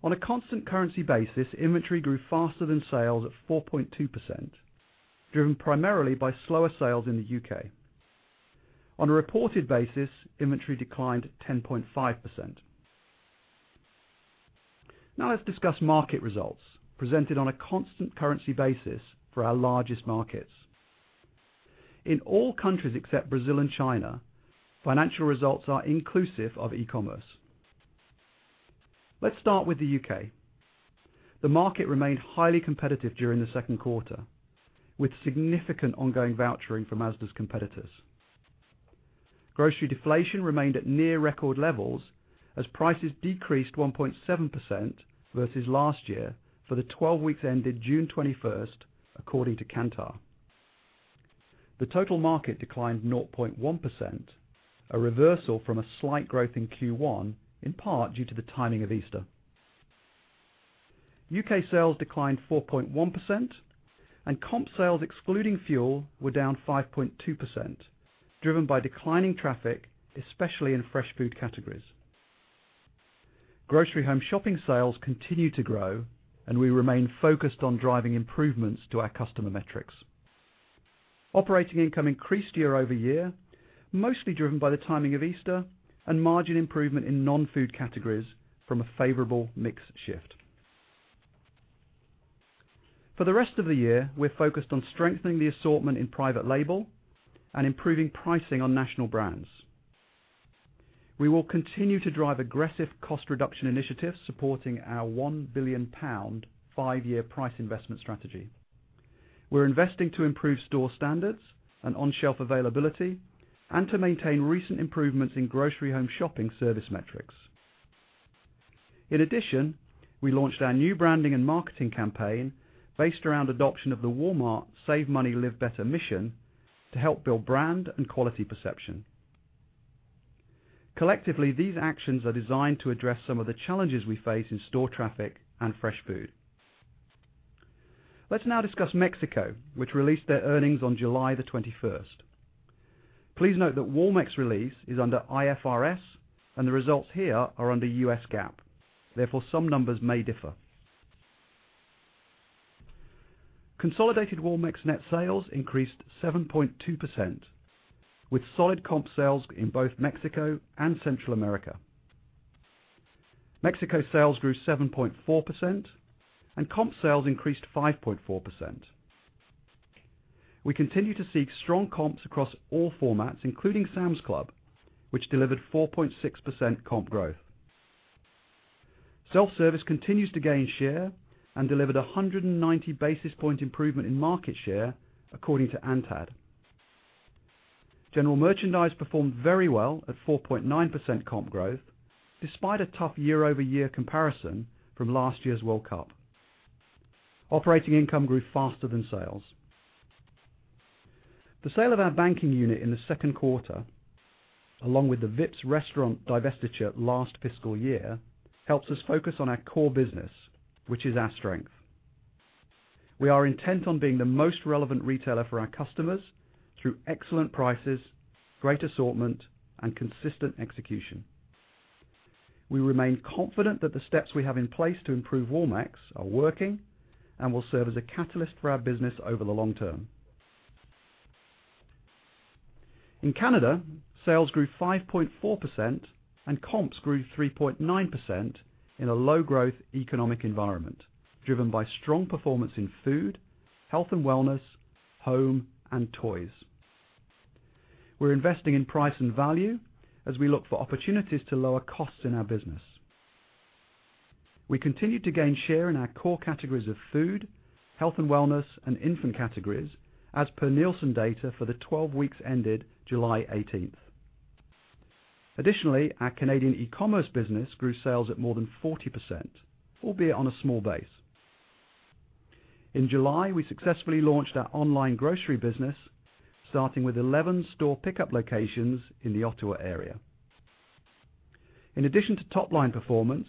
Speaker 5: On a constant currency basis, inventory grew faster than sales at 4.2%, driven primarily by slower sales in the U.K. On a reported basis, inventory declined 10.5%. Now let's discuss market results presented on a constant currency basis for our largest markets. In all countries except Brazil and China, financial results are inclusive of e-commerce. Let's start with the U.K. The market remained highly competitive during the second quarter, with significant ongoing vouchering from Asda's competitors. Grocery deflation remained at near record levels as prices decreased 1.7% versus last year for the 12 weeks ended June 21st, according to Kantar. The total market declined 0.1%, a reversal from a slight growth in Q1, in part due to the timing of Easter. U.K. sales declined 4.1%, and comp sales excluding fuel were down 5.2%, driven by declining traffic, especially in fresh food categories. Grocery home shopping sales continue to grow, and we remain focused on driving improvements to our customer metrics. Operating income increased year-over-year, mostly driven by the timing of Easter and margin improvement in non-food categories from a favorable mix shift. For the rest of the year, we're focused on strengthening the assortment in private label and improving pricing on national brands. We will continue to drive aggressive cost reduction initiatives supporting our 1 billion pound five-year price investment strategy. We're investing to improve store standards and on-shelf availability and to maintain recent improvements in grocery home shopping service metrics. In addition, we launched our new branding and marketing campaign based around adoption of the Walmart Save Money. Live Better. mission to help build brand and quality perception. Collectively, these actions are designed to address some of the challenges we face in store traffic and fresh food. Let's now discuss Mexico, which released their earnings on July 21st. Please note that Walmex release is under IFRS and the results here are under U.S. GAAP, therefore, some numbers may differ. Consolidated Walmex net sales increased 7.2%, with solid comp sales in both Mexico and Central America. Mexico sales grew 7.4% and comp sales increased 5.4%. We continue to see strong comps across all formats, including Sam's Club, which delivered 4.6% comp growth. Self-service continues to gain share and delivered 190 basis point improvement in market share, according to ANTAD. General merchandise performed very well at 4.9% comp growth, despite a tough year-over-year comparison from last year's World Cup. Operating income grew faster than sales. The sale of our banking unit in the 2nd quarter, along with the Vips restaurant divestiture last fiscal year, helps us focus on our core business, which is our strength. We are intent on being the most relevant retailer for our customers through excellent prices, great assortment, and consistent execution. We remain confident that the steps we have in place to improve Walmex are working and will serve as a catalyst for our business over the long term. In Canada, sales grew 5.4% and comps grew 3.9% in a low-growth economic environment, driven by strong performance in food, health and wellness, home, and toys. We're investing in price and value as we look for opportunities to lower costs in our business. We continue to gain share in our core categories of food, health and wellness, and infant categories as per Nielsen data for the 12 weeks ended July 18th. Our Canadian e-commerce business grew sales at more than 40%, albeit on a small base. In July, we successfully launched our online grocery business, starting with 11 store pickup locations in the Ottawa area. In addition to top-line performance,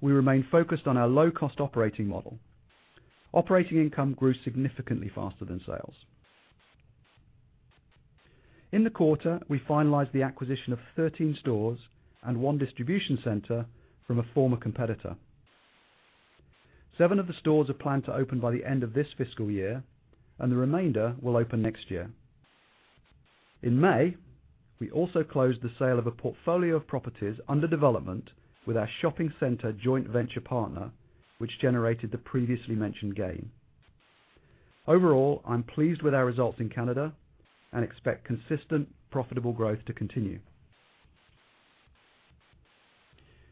Speaker 5: we remain focused on our low-cost operating model. Operating income grew significantly faster than sales. In the quarter, we finalized the acquisition of 13 stores and one distribution center from a former competitor. Seven of the stores are planned to open by the end of this fiscal year, and the remainder will open next year. In May, we also closed the sale of a portfolio of properties under development with our shopping center joint venture partner, which generated the previously mentioned gain. Overall, I'm pleased with our results in Canada and expect consistent profitable growth to continue.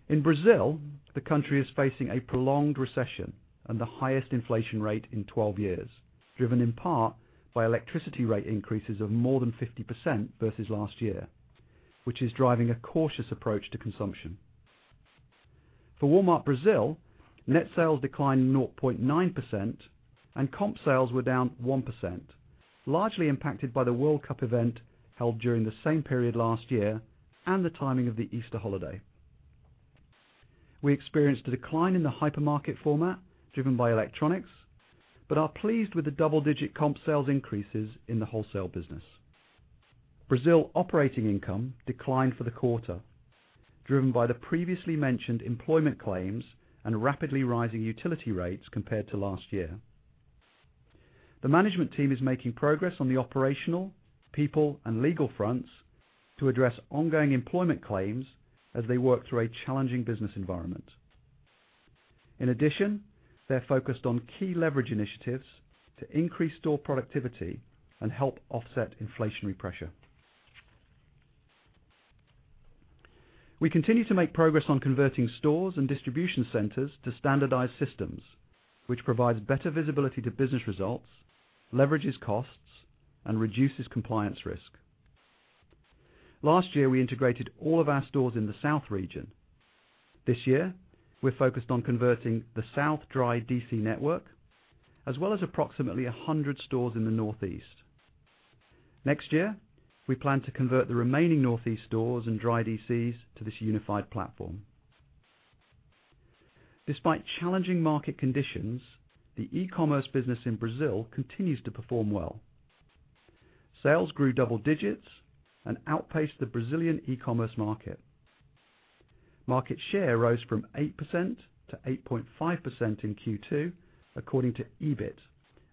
Speaker 5: In Brazil, the country is facing a prolonged recession and the highest inflation rate in 12 years, driven in part by electricity rate increases of more than 50% versus last year, which is driving a cautious approach to consumption. For Walmart Brazil, net sales declined 0.9% and comp sales were down 1%, largely impacted by the World Cup event held during the same period last year and the timing of the Easter holiday. We experienced a decline in the hypermarket format driven by electronics, but are pleased with the double-digit comp sales increases in the wholesale business. Brazil operating income declined for the quarter, driven by the previously mentioned employment claims and rapidly rising utility rates compared to last year. The management team is making progress on the operational, people, and legal fronts to address ongoing employment claims as they work through a challenging business environment. In addition, they're focused on key leverage initiatives to increase store productivity and help offset inflationary pressure. We continue to make progress on converting stores and distribution centers to standardized systems, which provides better visibility to business results, leverages costs, and reduces compliance risk. Last year, we integrated all of our stores in the South region. This year, we're focused on converting the South dry DC network, as well as approximately 100 stores in the Northeast. Next year, we plan to convert the remaining Northeast stores and dry DCs to this unified platform. Despite challenging market conditions, the e-commerce business in Brazil continues to perform well. Sales grew double digits and outpaced the Brazilian e-commerce market. Market share rose from 8% to 8.5% in Q2, according to Ebit,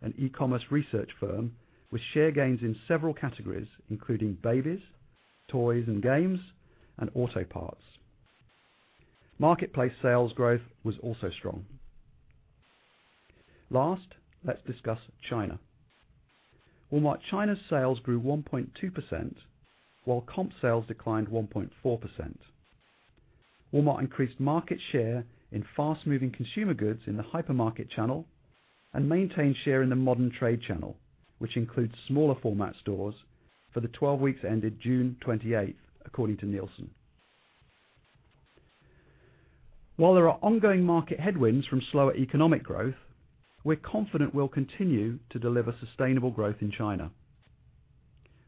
Speaker 5: an e-commerce research firm with share gains in several categories, including babies, toys and games, and auto parts. Marketplace sales growth was also strong. Last, let's discuss China. Walmart China's sales grew 1.2%, while comp sales declined 1.4%. Walmart increased market share in fast-moving consumer goods in the hypermarket channel and maintained share in the modern trade channel, which includes smaller format stores, for the 12 weeks ended June 28th, according to Nielsen. While there are ongoing market headwinds from slower economic growth, we're confident we'll continue to deliver sustainable growth in China.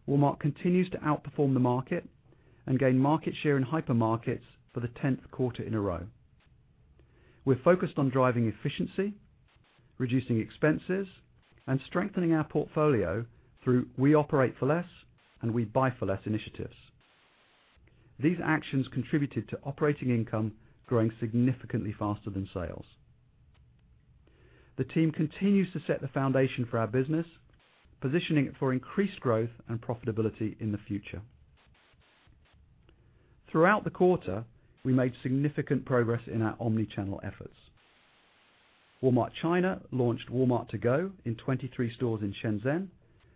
Speaker 5: Walmart continues to outperform the market and gain market share in hypermarkets for the 10th quarter in a row. We're focused on driving efficiency, reducing expenses, and strengthening our portfolio through We Operate For Less and We Buy For Less initiatives. These actions contributed to operating income growing significantly faster than sales. The team continues to set the foundation for our business, positioning it for increased growth and profitability in the future. Throughout the quarter, we made significant progress in our omnichannel efforts. Walmart China launched Walmart To Go in 23 stores in Shenzhen,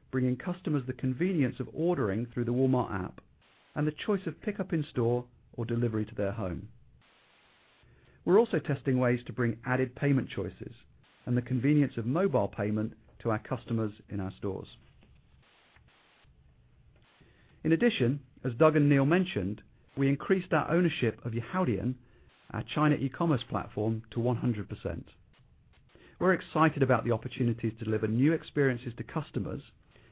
Speaker 5: bringing customers the convenience of ordering through the Walmart app and the choice of pickup in store or delivery to their home. We're also testing ways to bring added payment choices and the convenience of mobile payment to our customers in our stores. In addition, as Doug and Neil mentioned, we increased our ownership of Yihaodian, our China e-commerce platform, to 100%. We're excited about the opportunity to deliver new experiences to customers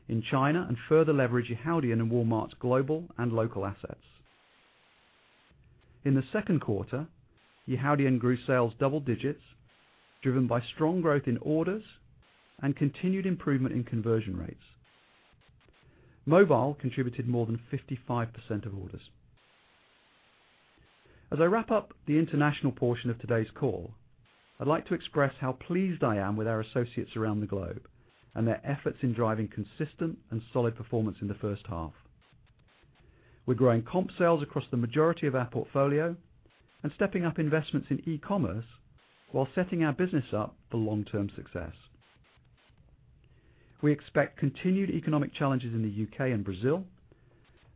Speaker 5: in China and further leverage Yihaodian and Walmart's global and local assets. In the second quarter, Yihaodian grew sales double digits, driven by strong growth in orders and continued improvement in conversion rates. Mobile contributed more than 55% of orders. As I wrap up the international portion of today's call, I'd like to express how pleased I am with our associates around the globe and their efforts in driving consistent and solid performance in the first half. We're growing comp sales across the majority of our portfolio and stepping up investments in e-commerce while setting our business up for long-term success. We expect continued economic challenges in the U.K. and Brazil,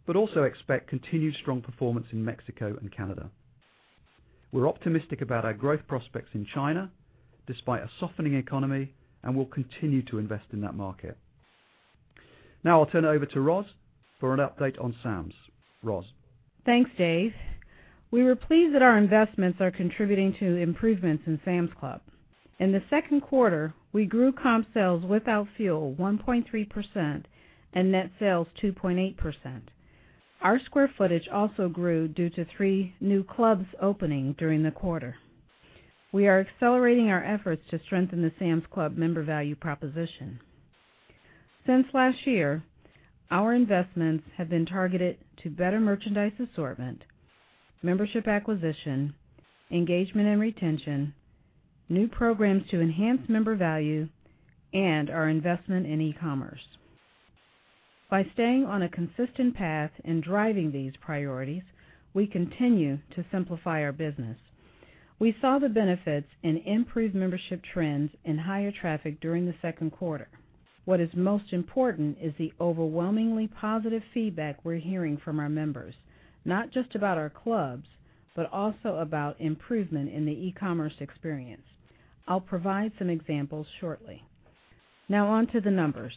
Speaker 5: but also expect continued strong performance in Mexico and Canada. We're optimistic about our growth prospects in China despite a softening economy, and we'll continue to invest in that market. Now I'll turn it over to Roz for an update on Sam's. Roz?
Speaker 6: Thanks, Dave. We were pleased that our investments are contributing to improvements in Sam's Club. In the second quarter, we grew comp sales without fuel 1.3% and net sales 2.8%. Our square footage also grew due to three new clubs opening during the quarter. We are accelerating our efforts to strengthen the Sam's Club member value proposition. Since last year, our investments have been targeted to better merchandise assortment, membership acquisition, engagement and retention, new programs to enhance member value, and our investment in e-commerce. By staying on a consistent path in driving these priorities, we continue to simplify our business. We saw the benefits in improved membership trends and higher traffic during the second quarter. What is most important is the overwhelmingly positive feedback we're hearing from our members, not just about our clubs, but also about improvement in the e-commerce experience. I'll provide some examples shortly. Now on to the numbers.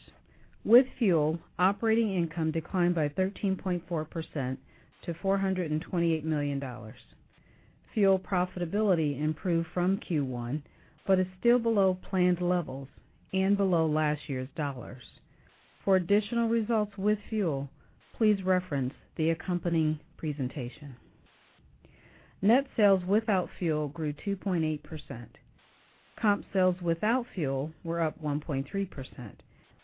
Speaker 6: With fuel, operating income declined by 13.4% to $428 million. Fuel profitability improved from Q1, is still below planned levels and below last year's dollars. For additional results with fuel, please reference the accompanying presentation. Net sales without fuel grew 2.8%. Comp sales without fuel were up 1.3%,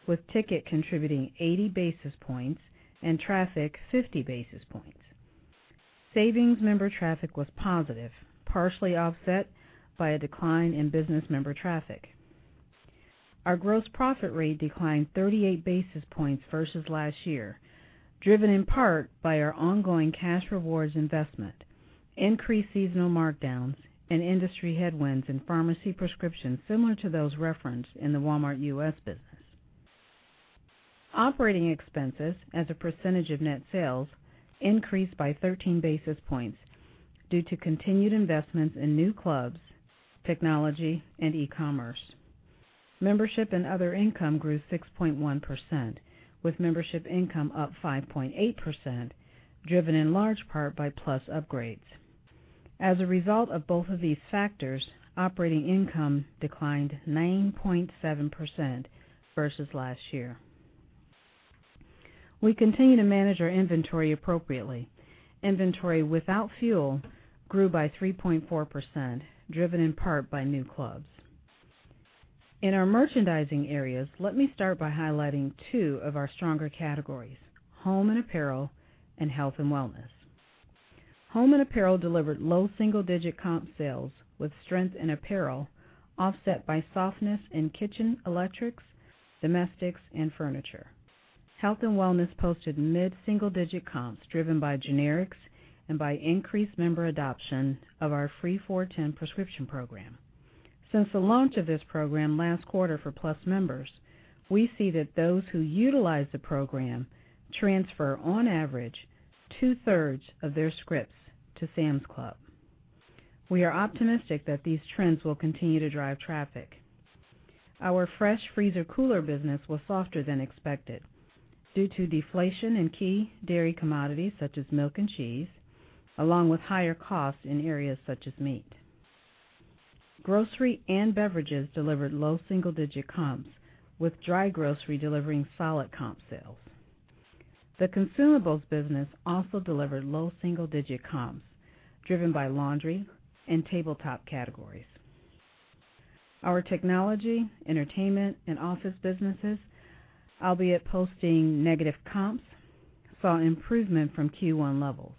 Speaker 6: with ticket contributing 80 basis points and traffic 50 basis points. Savings member traffic was positive, partially offset by a decline in business member traffic. Our gross profit rate declined 38 basis points versus last year, driven in part by our ongoing cash rewards investment, increased seasonal markdowns, and industry headwinds in pharmacy prescriptions, similar to those referenced in the Walmart U.S. business. Operating expenses as a percentage of net sales increased by 13 basis points due to continued investments in new clubs, technology, and e-commerce. Membership and other income grew 6.1%, with membership income up 5.8%, driven in large part by Plus Upgrades. As a result of both of these factors, operating income declined 9.7% versus last year. We continue to manage our inventory appropriately. Inventory without fuel grew by 3.4%, driven in part by new clubs. In our merchandising areas, let me start by highlighting two of our stronger categories, home and apparel, and health and wellness. Home and apparel delivered low single-digit comp sales with strength in apparel, offset by softness in kitchen electrics, domestics, and furniture. Health and wellness posted mid-single digit comps driven by generics and by increased member adoption of our free $4 Prescription Program. Since the launch of this program last quarter for Plus members, we see that those who utilize the program transfer, on average, two-thirds of their scripts to Sam's Club. We are optimistic that these trends will continue to drive traffic. Our fresh freezer cooler business was softer than expected due to deflation in key dairy commodities such as milk and cheese, along with higher costs in areas such as meat. Grocery and beverages delivered low single-digit comps, with dry grocery delivering solid comp sales. The consumables business also delivered low single-digit comps driven by laundry and tabletop categories. Our technology, entertainment, and office businesses, albeit posting negative comps, saw improvement from Q1 levels.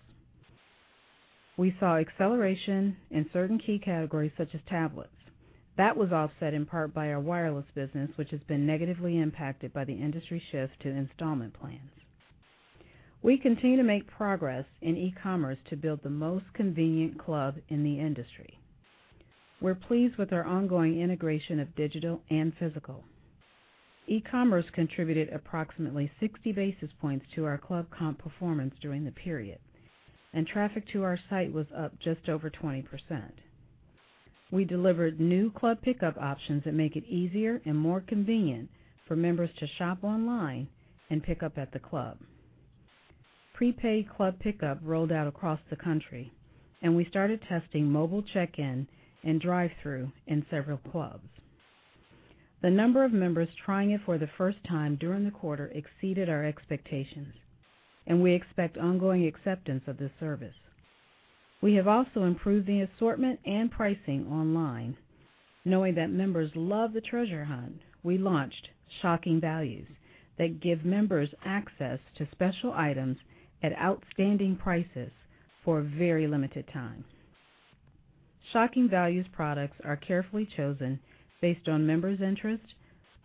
Speaker 6: We saw acceleration in certain key categories such as tablets. That was offset in part by our wireless business, which has been negatively impacted by the industry shift to installment plans. We continue to make progress in e-commerce to build the most convenient club in the industry. We're pleased with our ongoing integration of digital and physical. E-commerce contributed approximately 60 basis points to our club comp performance during the period, traffic to our site was up just over 20%. We delivered new club pickup options that make it easier and more convenient for members to shop online and pick up at the club. Prepaid club pickup rolled out across the country, we started testing mobile check-in and drive-thru in several clubs. The number of members trying it for the first time during the quarter exceeded our expectations, we expect ongoing acceptance of this service. We have also improved the assortment and pricing online. Knowing that members love the treasure hunt, we launched Shocking Values that give members access to special items at outstanding prices for a very limited time. Shocking Values products are carefully chosen based on members' interests,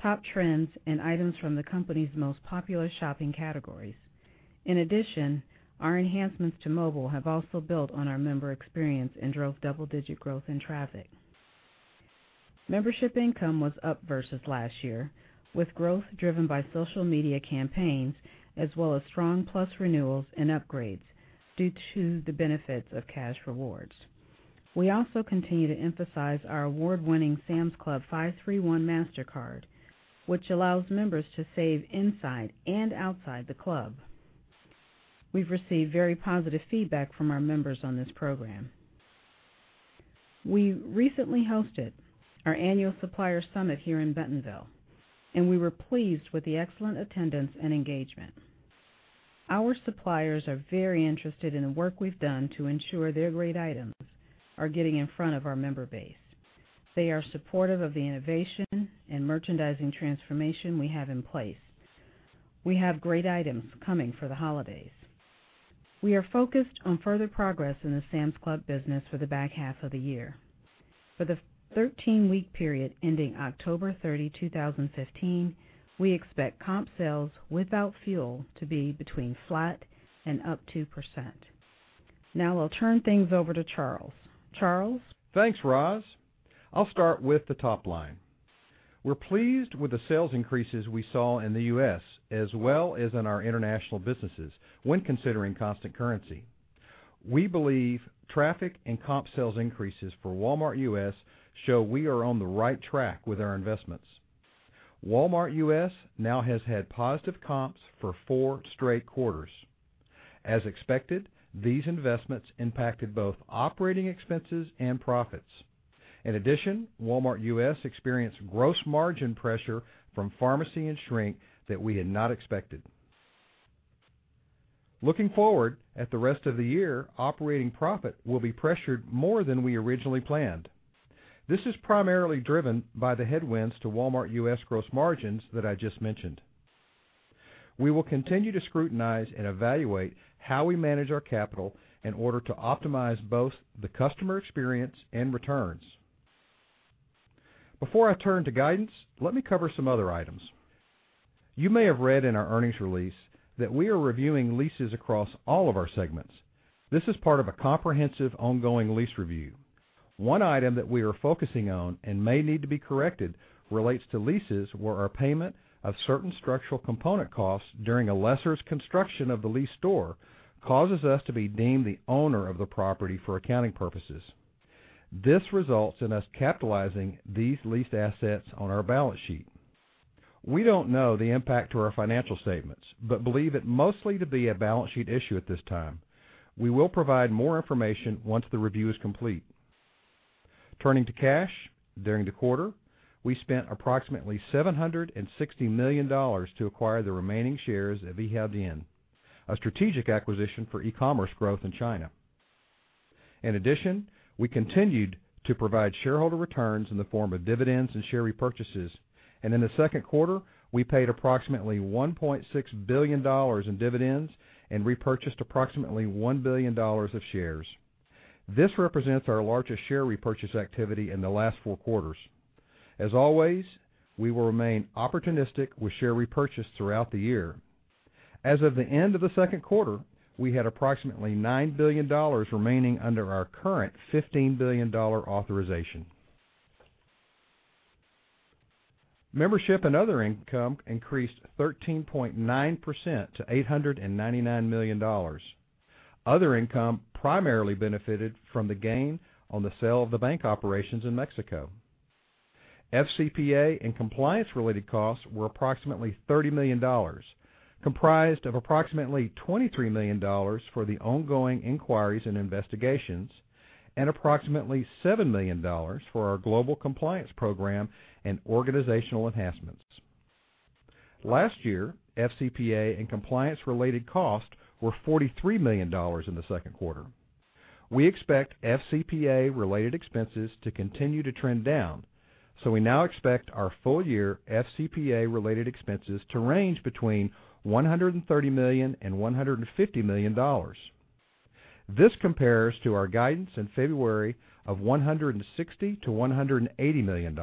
Speaker 6: top trends, and items from the company's most popular shopping categories. In addition, our enhancements to mobile have also built on our member experience and drove double-digit growth in traffic. Membership income was up versus last year, with growth driven by social media campaigns as well as strong Plus renewals and upgrades due to the benefits of cash rewards. We also continue to emphasize our award-winning Sam's Club 5-3-1 Mastercard, which allows members to save inside and outside the club. We've received very positive feedback from our members on this program. We recently hosted our annual supplier summit here in Bentonville, and we were pleased with the excellent attendance and engagement. Our suppliers are very interested in the work we've done to ensure their great items are getting in front of our member base. They are supportive of the innovation and merchandising transformation we have in place. We have great items coming for the holidays. We are focused on further progress in the Sam's Club business for the back half of the year. For the 13-week period ending October 30, 2015, we expect comp sales without fuel to be between flat and up 2%. I'll turn things over to Charles. Charles?
Speaker 7: Thanks, Roz. I'll start with the top line. We're pleased with the sales increases we saw in the U.S. as well as in our international businesses when considering constant currency. We believe traffic and comp sales increases for Walmart U.S. show we are on the right track with our investments. Walmart U.S. now has had positive comps for four straight quarters. As expected, these investments impacted both operating expenses and profits. In addition, Walmart U.S. experienced gross margin pressure from pharmacy and shrink that we had not expected. Looking forward at the rest of the year, operating profit will be pressured more than we originally planned. This is primarily driven by the headwinds to Walmart U.S. gross margins that I just mentioned. We will continue to scrutinize and evaluate how we manage our capital in order to optimize both the customer experience and returns. Before I turn to guidance, let me cover some other items. You may have read in our earnings release that we are reviewing leases across all of our segments. This is part of a comprehensive, ongoing lease review. One item that we are focusing on and may need to be corrected relates to leases where our payment of certain structural component costs during a lessor's construction of the leased store causes us to be deemed the owner of the property for accounting purposes. This results in us capitalizing these leased assets on our balance sheet. We don't know the impact to our financial statements but believe it mostly to be a balance sheet issue at this time. We will provide more information once the review is complete. Turning to cash, during the quarter, we spent approximately $760 million to acquire the remaining shares of Yihaodian, a strategic acquisition for e-commerce growth in China. In addition, we continued to provide shareholder returns in the form of dividends and share repurchases. In the second quarter, we paid approximately $1.6 billion in dividends and repurchased approximately $1 billion of shares. This represents our largest share repurchase activity in the last four quarters. As always, we will remain opportunistic with share repurchase throughout the year. As of the end of the second quarter, we had approximately $9 billion remaining under our current $15 billion authorization. Membership and other income increased 13.9% to $899 million. Other income primarily benefited from the gain on the sale of the bank operations in Mexico. FCPA and compliance-related costs were approximately $30 million, comprised of approximately $23 million for the ongoing inquiries and investigations and approximately $7 million for our global compliance program and organizational enhancements. Last year, FCPA and compliance-related costs were $43 million in the second quarter. We expect FCPA-related expenses to continue to trend down. We now expect our full-year FCPA-related expenses to range between $130 million and $150 million. This compares to our guidance in February of $160 million-$180 million.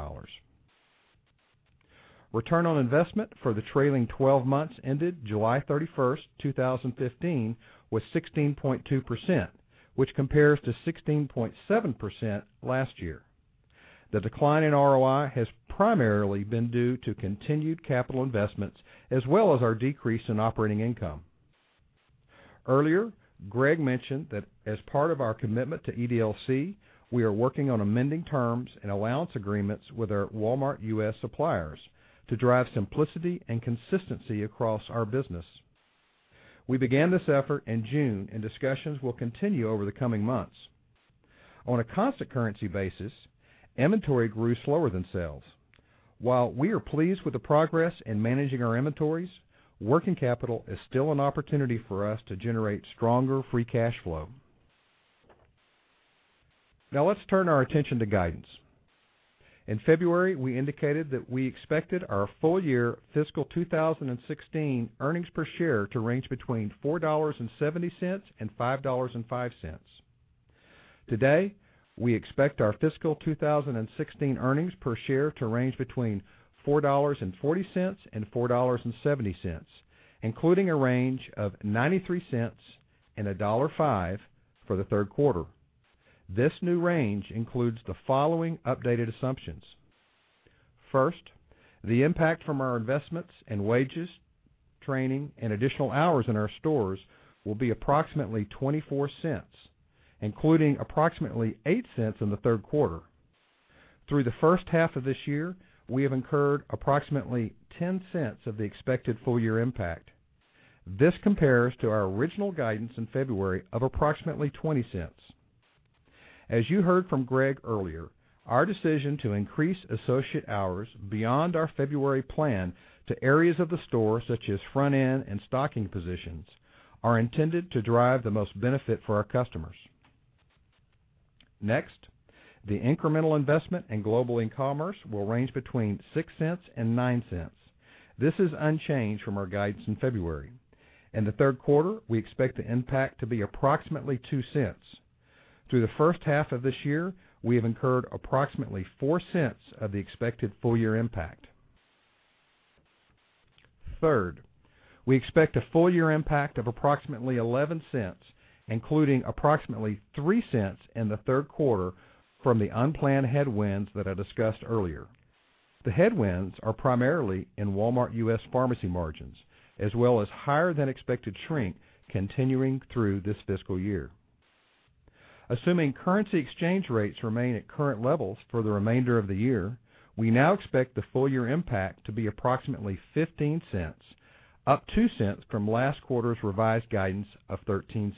Speaker 7: Return on investment for the trailing 12 months ended July 31, 2015, was 16.2%, which compares to 16.7% last year. The decline in ROI has primarily been due to continued capital investments as well as our decrease in operating income. Earlier, Greg mentioned that as part of our commitment to EDLC, we are working on amending terms and allowance agreements with our Walmart U.S. suppliers to drive simplicity and consistency across our business. We began this effort in June, and discussions will continue over the coming months. On a constant currency basis, inventory grew slower than sales. While we are pleased with the progress in managing our inventories, working capital is still an opportunity for us to generate stronger free cash flow. Let's turn our attention to guidance. In February, we indicated that we expected our full-year fiscal 2016 earnings per share to range between $4.70 and $5.05. Today, we expect our fiscal 2016 earnings per share to range between $4.40 and $4.70, including a range of $0.93 and $1.05 for the third quarter. This new range includes the following updated assumptions. First, the impact from our investments in wages, training, and additional hours in our stores will be approximately $0.24, including approximately $0.08 in the third quarter. Through the first half of this year, we have incurred approximately $0.10 of the expected full-year impact. This compares to our original guidance in February of approximately $0.20. As you heard from Greg earlier, our decision to increase associate hours beyond our February plan to areas of the store such as front-end and stocking positions are intended to drive the most benefit for our customers. Next, the incremental investment in global e-commerce will range between $0.06 and $0.09. This is unchanged from our guidance in February. In the third quarter, we expect the impact to be approximately $0.02. Through the first half of this year, we have incurred approximately $0.04 of the expected full-year impact. Third, we expect a full-year impact of approximately $0.11, including approximately $0.03 in the third quarter from the unplanned headwinds that I discussed earlier. The headwinds are primarily in Walmart U.S. pharmacy margins, as well as higher than expected shrink continuing through this fiscal year. Assuming currency exchange rates remain at current levels for the remainder of the year, we now expect the full-year impact to be approximately $0.15, up $0.02 from last quarter's revised guidance of $0.13.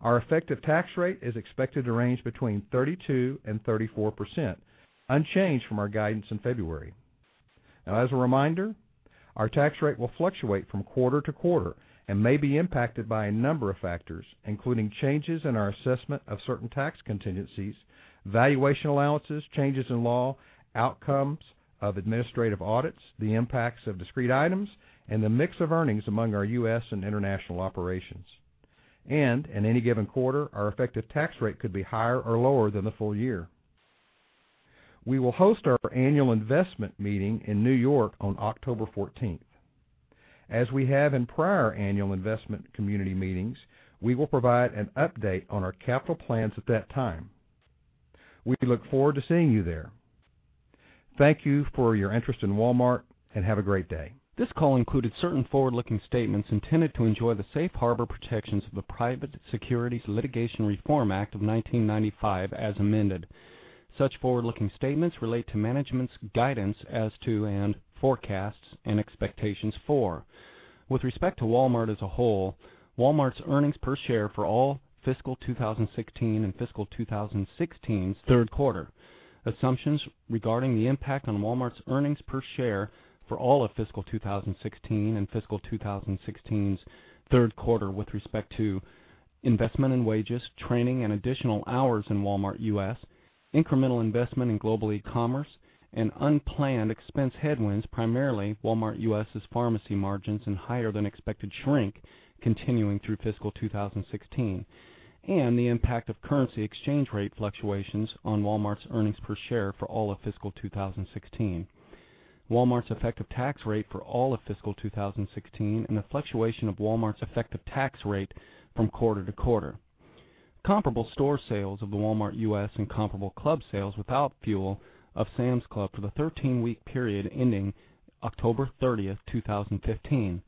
Speaker 7: Our effective tax rate is expected to range between 32% and 34%, unchanged from our guidance in February. As a reminder, our tax rate will fluctuate from quarter to quarter and may be impacted by a number of factors, including changes in our assessment of certain tax contingencies, valuation allowances, changes in law, outcomes of administrative audits, the impacts of discrete items, and the mix of earnings among our U.S. and international operations. In any given quarter, our effective tax rate could be higher or lower than the full year. We will host our annual investment meeting in New York on October 14th. As we have in prior annual investment community meetings, we will provide an update on our capital plans at that time. We look forward to seeing you there. Thank you for your interest in Walmart, and have a great day. This call included certain forward-looking statements intended to enjoy the safe harbor protections of the Private Securities Litigation Reform Act of 1995 as amended. Such forward-looking statements relate to management's guidance as to and forecasts and expectations for. With respect to Walmart as a whole, Walmart's earnings per share for all fiscal 2016 and fiscal 2016's third quarter. Assumptions regarding the impact on Walmart's earnings per share for all of fiscal 2016 and fiscal 2016's third quarter with respect to investment in wages, training, and additional hours in Walmart U.S., incremental investment in global e-commerce, and unplanned expense headwinds, primarily Walmart U.S.' pharmacy margins and higher than expected shrink continuing through fiscal 2016, and the impact of currency exchange rate fluctuations on Walmart's earnings per share for all of fiscal 2016. Walmart's effective tax rate for all of fiscal 2016, the fluctuation of Walmart's effective tax rate from quarter to quarter. Comparable store sales of the Walmart U.S. and comparable club sales without fuel of Sam's Club for the 13-week period ending October 30th, 2015.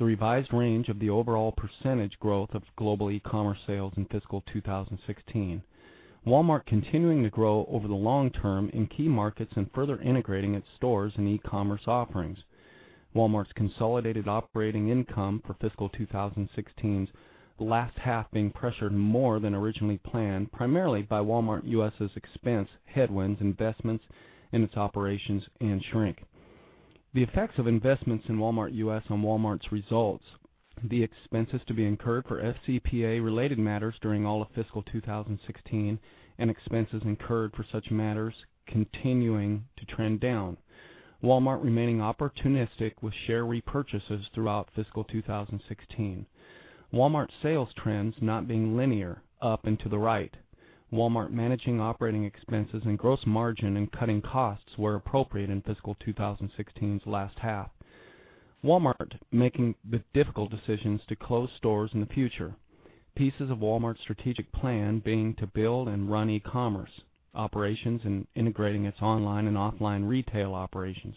Speaker 7: The revised range of the overall percentage growth of global e-commerce sales in fiscal 2016. Walmart continuing to grow over the long term in key markets and further integrating its stores and e-commerce offerings. Walmart's consolidated operating income for fiscal 2016's last half being pressured more than originally planned, primarily by Walmart U.S.'s expense headwinds, investments in its operations, and shrink. The effects of investments in Walmart U.S. on Walmart's results. The expenses to be incurred for FCPA-related matters during all of fiscal 2016 and expenses incurred for such matters continuing to trend down. Walmart remaining opportunistic with share repurchases throughout fiscal 2016. Walmart sales trends not being linear up and to the right. Walmart managing operating expenses and gross margin and cutting costs where appropriate in fiscal 2016's last half. Walmart making the difficult decisions to close stores in the future. Pieces of Walmart's strategic plan being to build and run e-commerce operations and integrating its online and offline retail operations.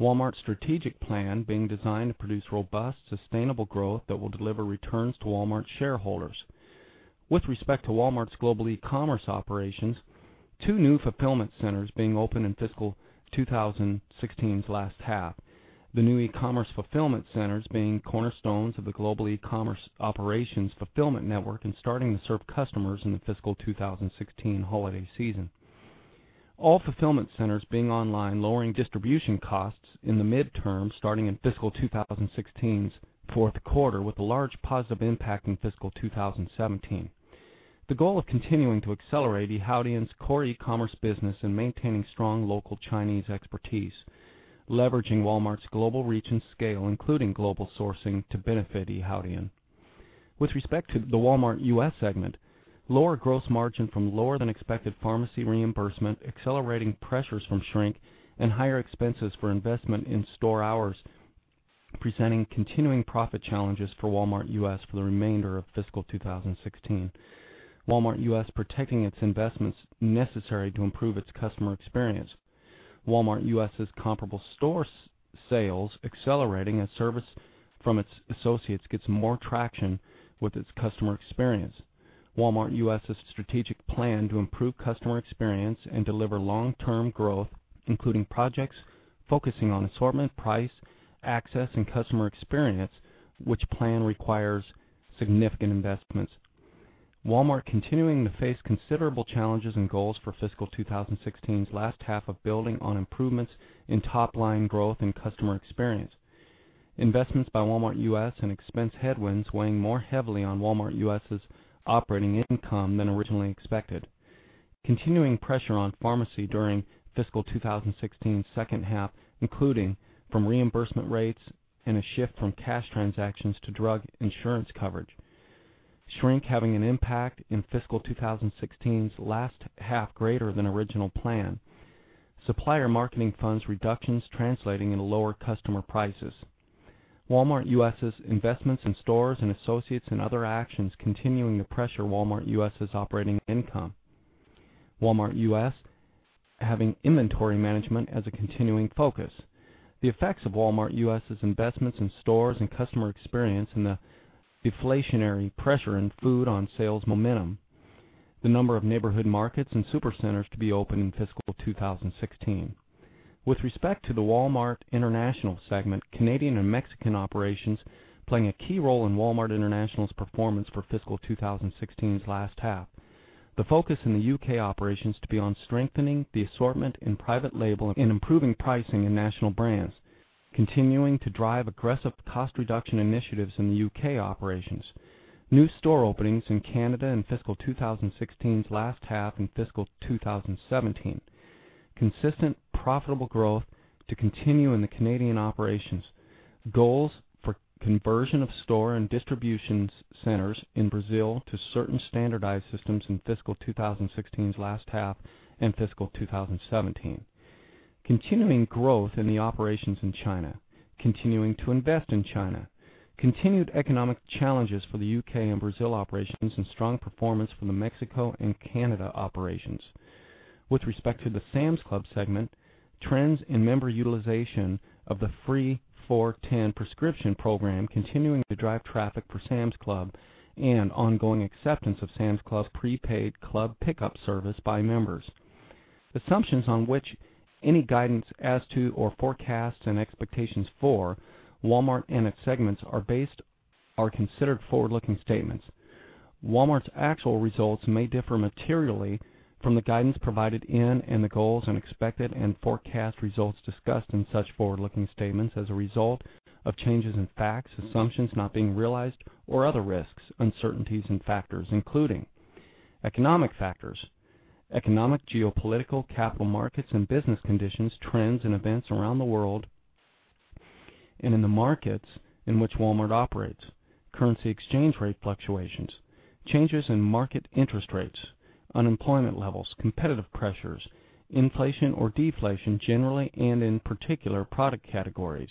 Speaker 7: Walmart's strategic plan being designed to produce robust, sustainable growth that will deliver returns to Walmart shareholders. With respect to Walmart's global e-commerce operations, two new fulfillment centers being open in fiscal 2016's last half. The new e-commerce fulfillment centers being cornerstones of the global e-commerce operations fulfillment network and starting to serve customers in the fiscal 2016 holiday season. All fulfillment centers being online lowering distribution costs in the midterm starting in fiscal 2016's fourth quarter with a large positive impact in fiscal 2017. The goal of continuing to accelerate Yihaodian's core e-commerce business and maintaining strong local Chinese expertise. Leveraging Walmart's global reach and scale, including global sourcing to benefit Yihaodian. With respect to the Walmart U.S. segment, lower gross margin from lower than expected pharmacy reimbursement, accelerating pressures from shrink, and higher expenses for investment in store hours presenting continuing profit challenges for Walmart U.S. for the remainder of fiscal 2016. Walmart U.S. protecting its investments necessary to improve its customer experience. Walmart U.S.'s comparable store sales accelerating as service from its associates gets more traction with its customer experience. Walmart U.S.'s strategic plan to improve customer experience and deliver long-term growth, including projects focusing on assortment, price, access, and customer experience, which plan requires significant investments. Walmart continuing to face considerable challenges and goals for fiscal 2016's last half of building on improvements in top-line growth and customer experience. Investments by Walmart U.S. and expense headwinds weighing more heavily on Walmart U.S.'s operating income than originally expected. Continuing pressure on pharmacy during fiscal 2016's second half, including from reimbursement rates and a shift from cash transactions to drug insurance coverage. Shrink having an impact in fiscal 2016's last half greater than original plan. Supplier marketing funds reductions translating into lower customer prices. Walmart U.S.'s investments in stores and associates and other actions continuing to pressure Walmart U.S.'s operating income. Walmart U.S. having inventory management as a continuing focus. The effects of Walmart U.S.'s investments in stores and customer experience and the deflationary pressure in food on sales momentum. The number of Neighborhood Markets and Walmart Supercenters to be opened in fiscal 2016. With respect to the Walmart International segment, Canadian and Mexican operations playing a key role in Walmart International's performance for fiscal 2016's last half. The focus in the U.K. operations to be on strengthening the assortment in private label and improving pricing in national brands. Continuing to drive aggressive cost reduction initiatives in the U.K. operations. New store openings in Canada in fiscal 2016's last half and fiscal 2017. Consistent profitable growth to continue in the Canadian operations. Goals for conversion of store and distribution centers in Brazil to certain standardized systems in fiscal 2016's last half and fiscal 2017. Continuing growth in the operations in China. Continuing to invest in China. Continued economic challenges for the U.K. and Brazil operations and strong performance from the Mexico and Canada operations. With respect to the Sam's Club segment, trends in member utilization of the free $4 Prescription Program continuing to drive traffic for Sam's Club and ongoing acceptance of Sam's Club prepaid club pickup service by members. Assumptions on which any guidance as to or forecasts and expectations for Walmart and its segments are based are considered forward-looking statements. Walmart's actual results may differ materially from the guidance provided in and the goals and expected and forecast results discussed in such forward-looking statements as a result of changes in facts, assumptions not being realized or other risks, uncertainties and factors including economic factors, economic, geopolitical, capital markets, and business conditions, trends and events around the world. In the markets in which Walmart operates, currency exchange rate fluctuations, changes in market interest rates, unemployment levels, competitive pressures, inflation or deflation, generally and in particular product categories,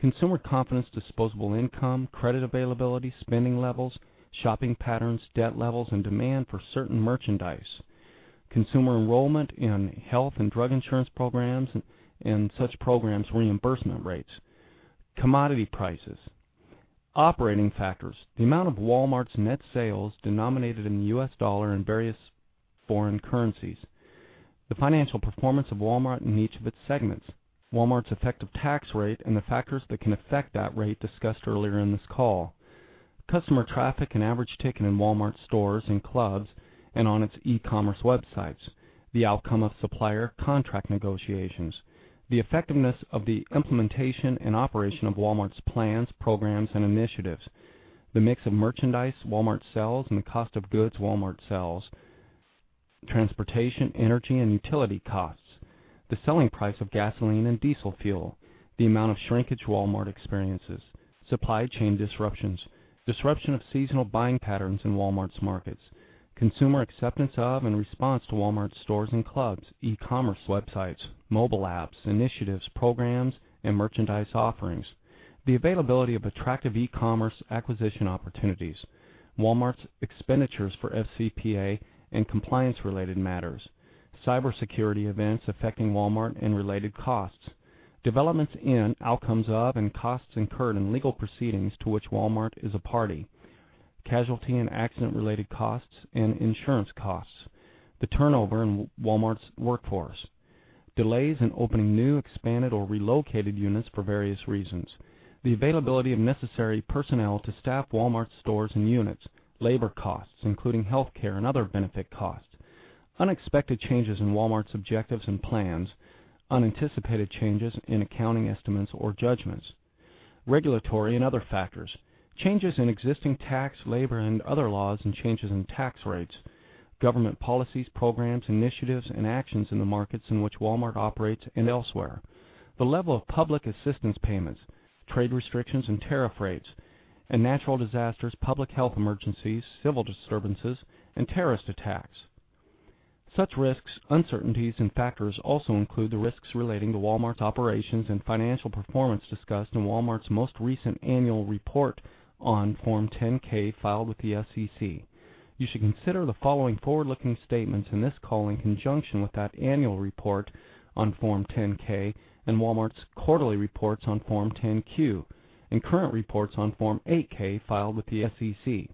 Speaker 7: consumer confidence, disposable income, credit availability, spending levels, shopping patterns, debt levels, and demand for certain merchandise. Consumer enrollment in health and drug insurance programs and such programs' reimbursement rates. Commodity prices. Operating factors. The amount of Walmart's net sales denominated in the U.S. dollar and various foreign currencies. The financial performance of Walmart in each of its segments. Walmart's effective tax rate and the factors that can affect that rate discussed earlier in this call. Customer traffic and average ticket in Walmart stores and clubs and on its e-commerce websites. The outcome of supplier contract negotiations. The effectiveness of the implementation and operation of Walmart's plans, programs, and initiatives. The mix of merchandise Walmart sells and the cost of goods Walmart sells. Transportation, energy, and utility costs. The selling price of gasoline and diesel fuel. The amount of shrinkage Walmart experiences. Supply chain disruptions. Disruption of seasonal buying patterns in Walmart's markets. Consumer acceptance of and response to Walmart stores and clubs, e-commerce websites, mobile apps, initiatives, programs, and merchandise offerings. The availability of attractive e-commerce acquisition opportunities. Walmart's expenditures for FCPA and compliance-related matters. Cybersecurity events affecting Walmart and related costs. Developments in, outcomes of, and costs incurred in legal proceedings to which Walmart is a party. Casualty and accident-related costs and insurance costs. The turnover in Walmart's workforce. Delays in opening new, expanded, or relocated units for various reasons. The availability of necessary personnel to staff Walmart stores and units. Labor costs, including healthcare and other benefit costs. Unexpected changes in Walmart's objectives and plans. Unanticipated changes in accounting estimates or judgments. Regulatory and other factors. Changes in existing tax, labor, and other laws and changes in tax rates. Government policies, programs, initiatives, and actions in the markets in which Walmart operates and elsewhere. The level of public assistance payments, trade restrictions and tariff rates, and natural disasters, public health emergencies, civil disturbances, and terrorist attacks. Such risks, uncertainties, and factors also include the risks relating to Walmart's operations and financial performance discussed in Walmart's most recent annual report on Form 10-K filed with the SEC. You should consider the following forward-looking statements in this call in conjunction with that annual report on Form 10-K and Walmart's quarterly reports on Form 10-Q and current reports on Form 8-K filed with the SEC.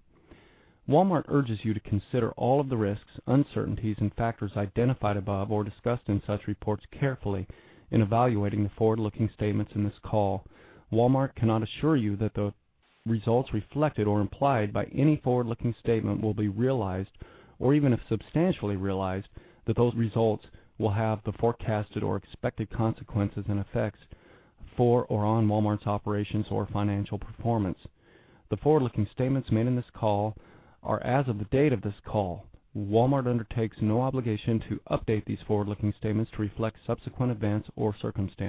Speaker 7: Walmart urges you to consider all of the risks, uncertainties, and factors identified above or discussed in such reports carefully in evaluating the forward-looking statements in this call. Walmart cannot assure you that the results reflected or implied by any forward-looking statement will be realized, or even if substantially realized, that those results will have the forecasted or expected consequences and effects for or on Walmart's operations or financial performance.
Speaker 8: The forward-looking statements made in this call are as of the date of this call. Walmart undertakes no obligation to update these forward-looking statements to reflect subsequent events or circumstances.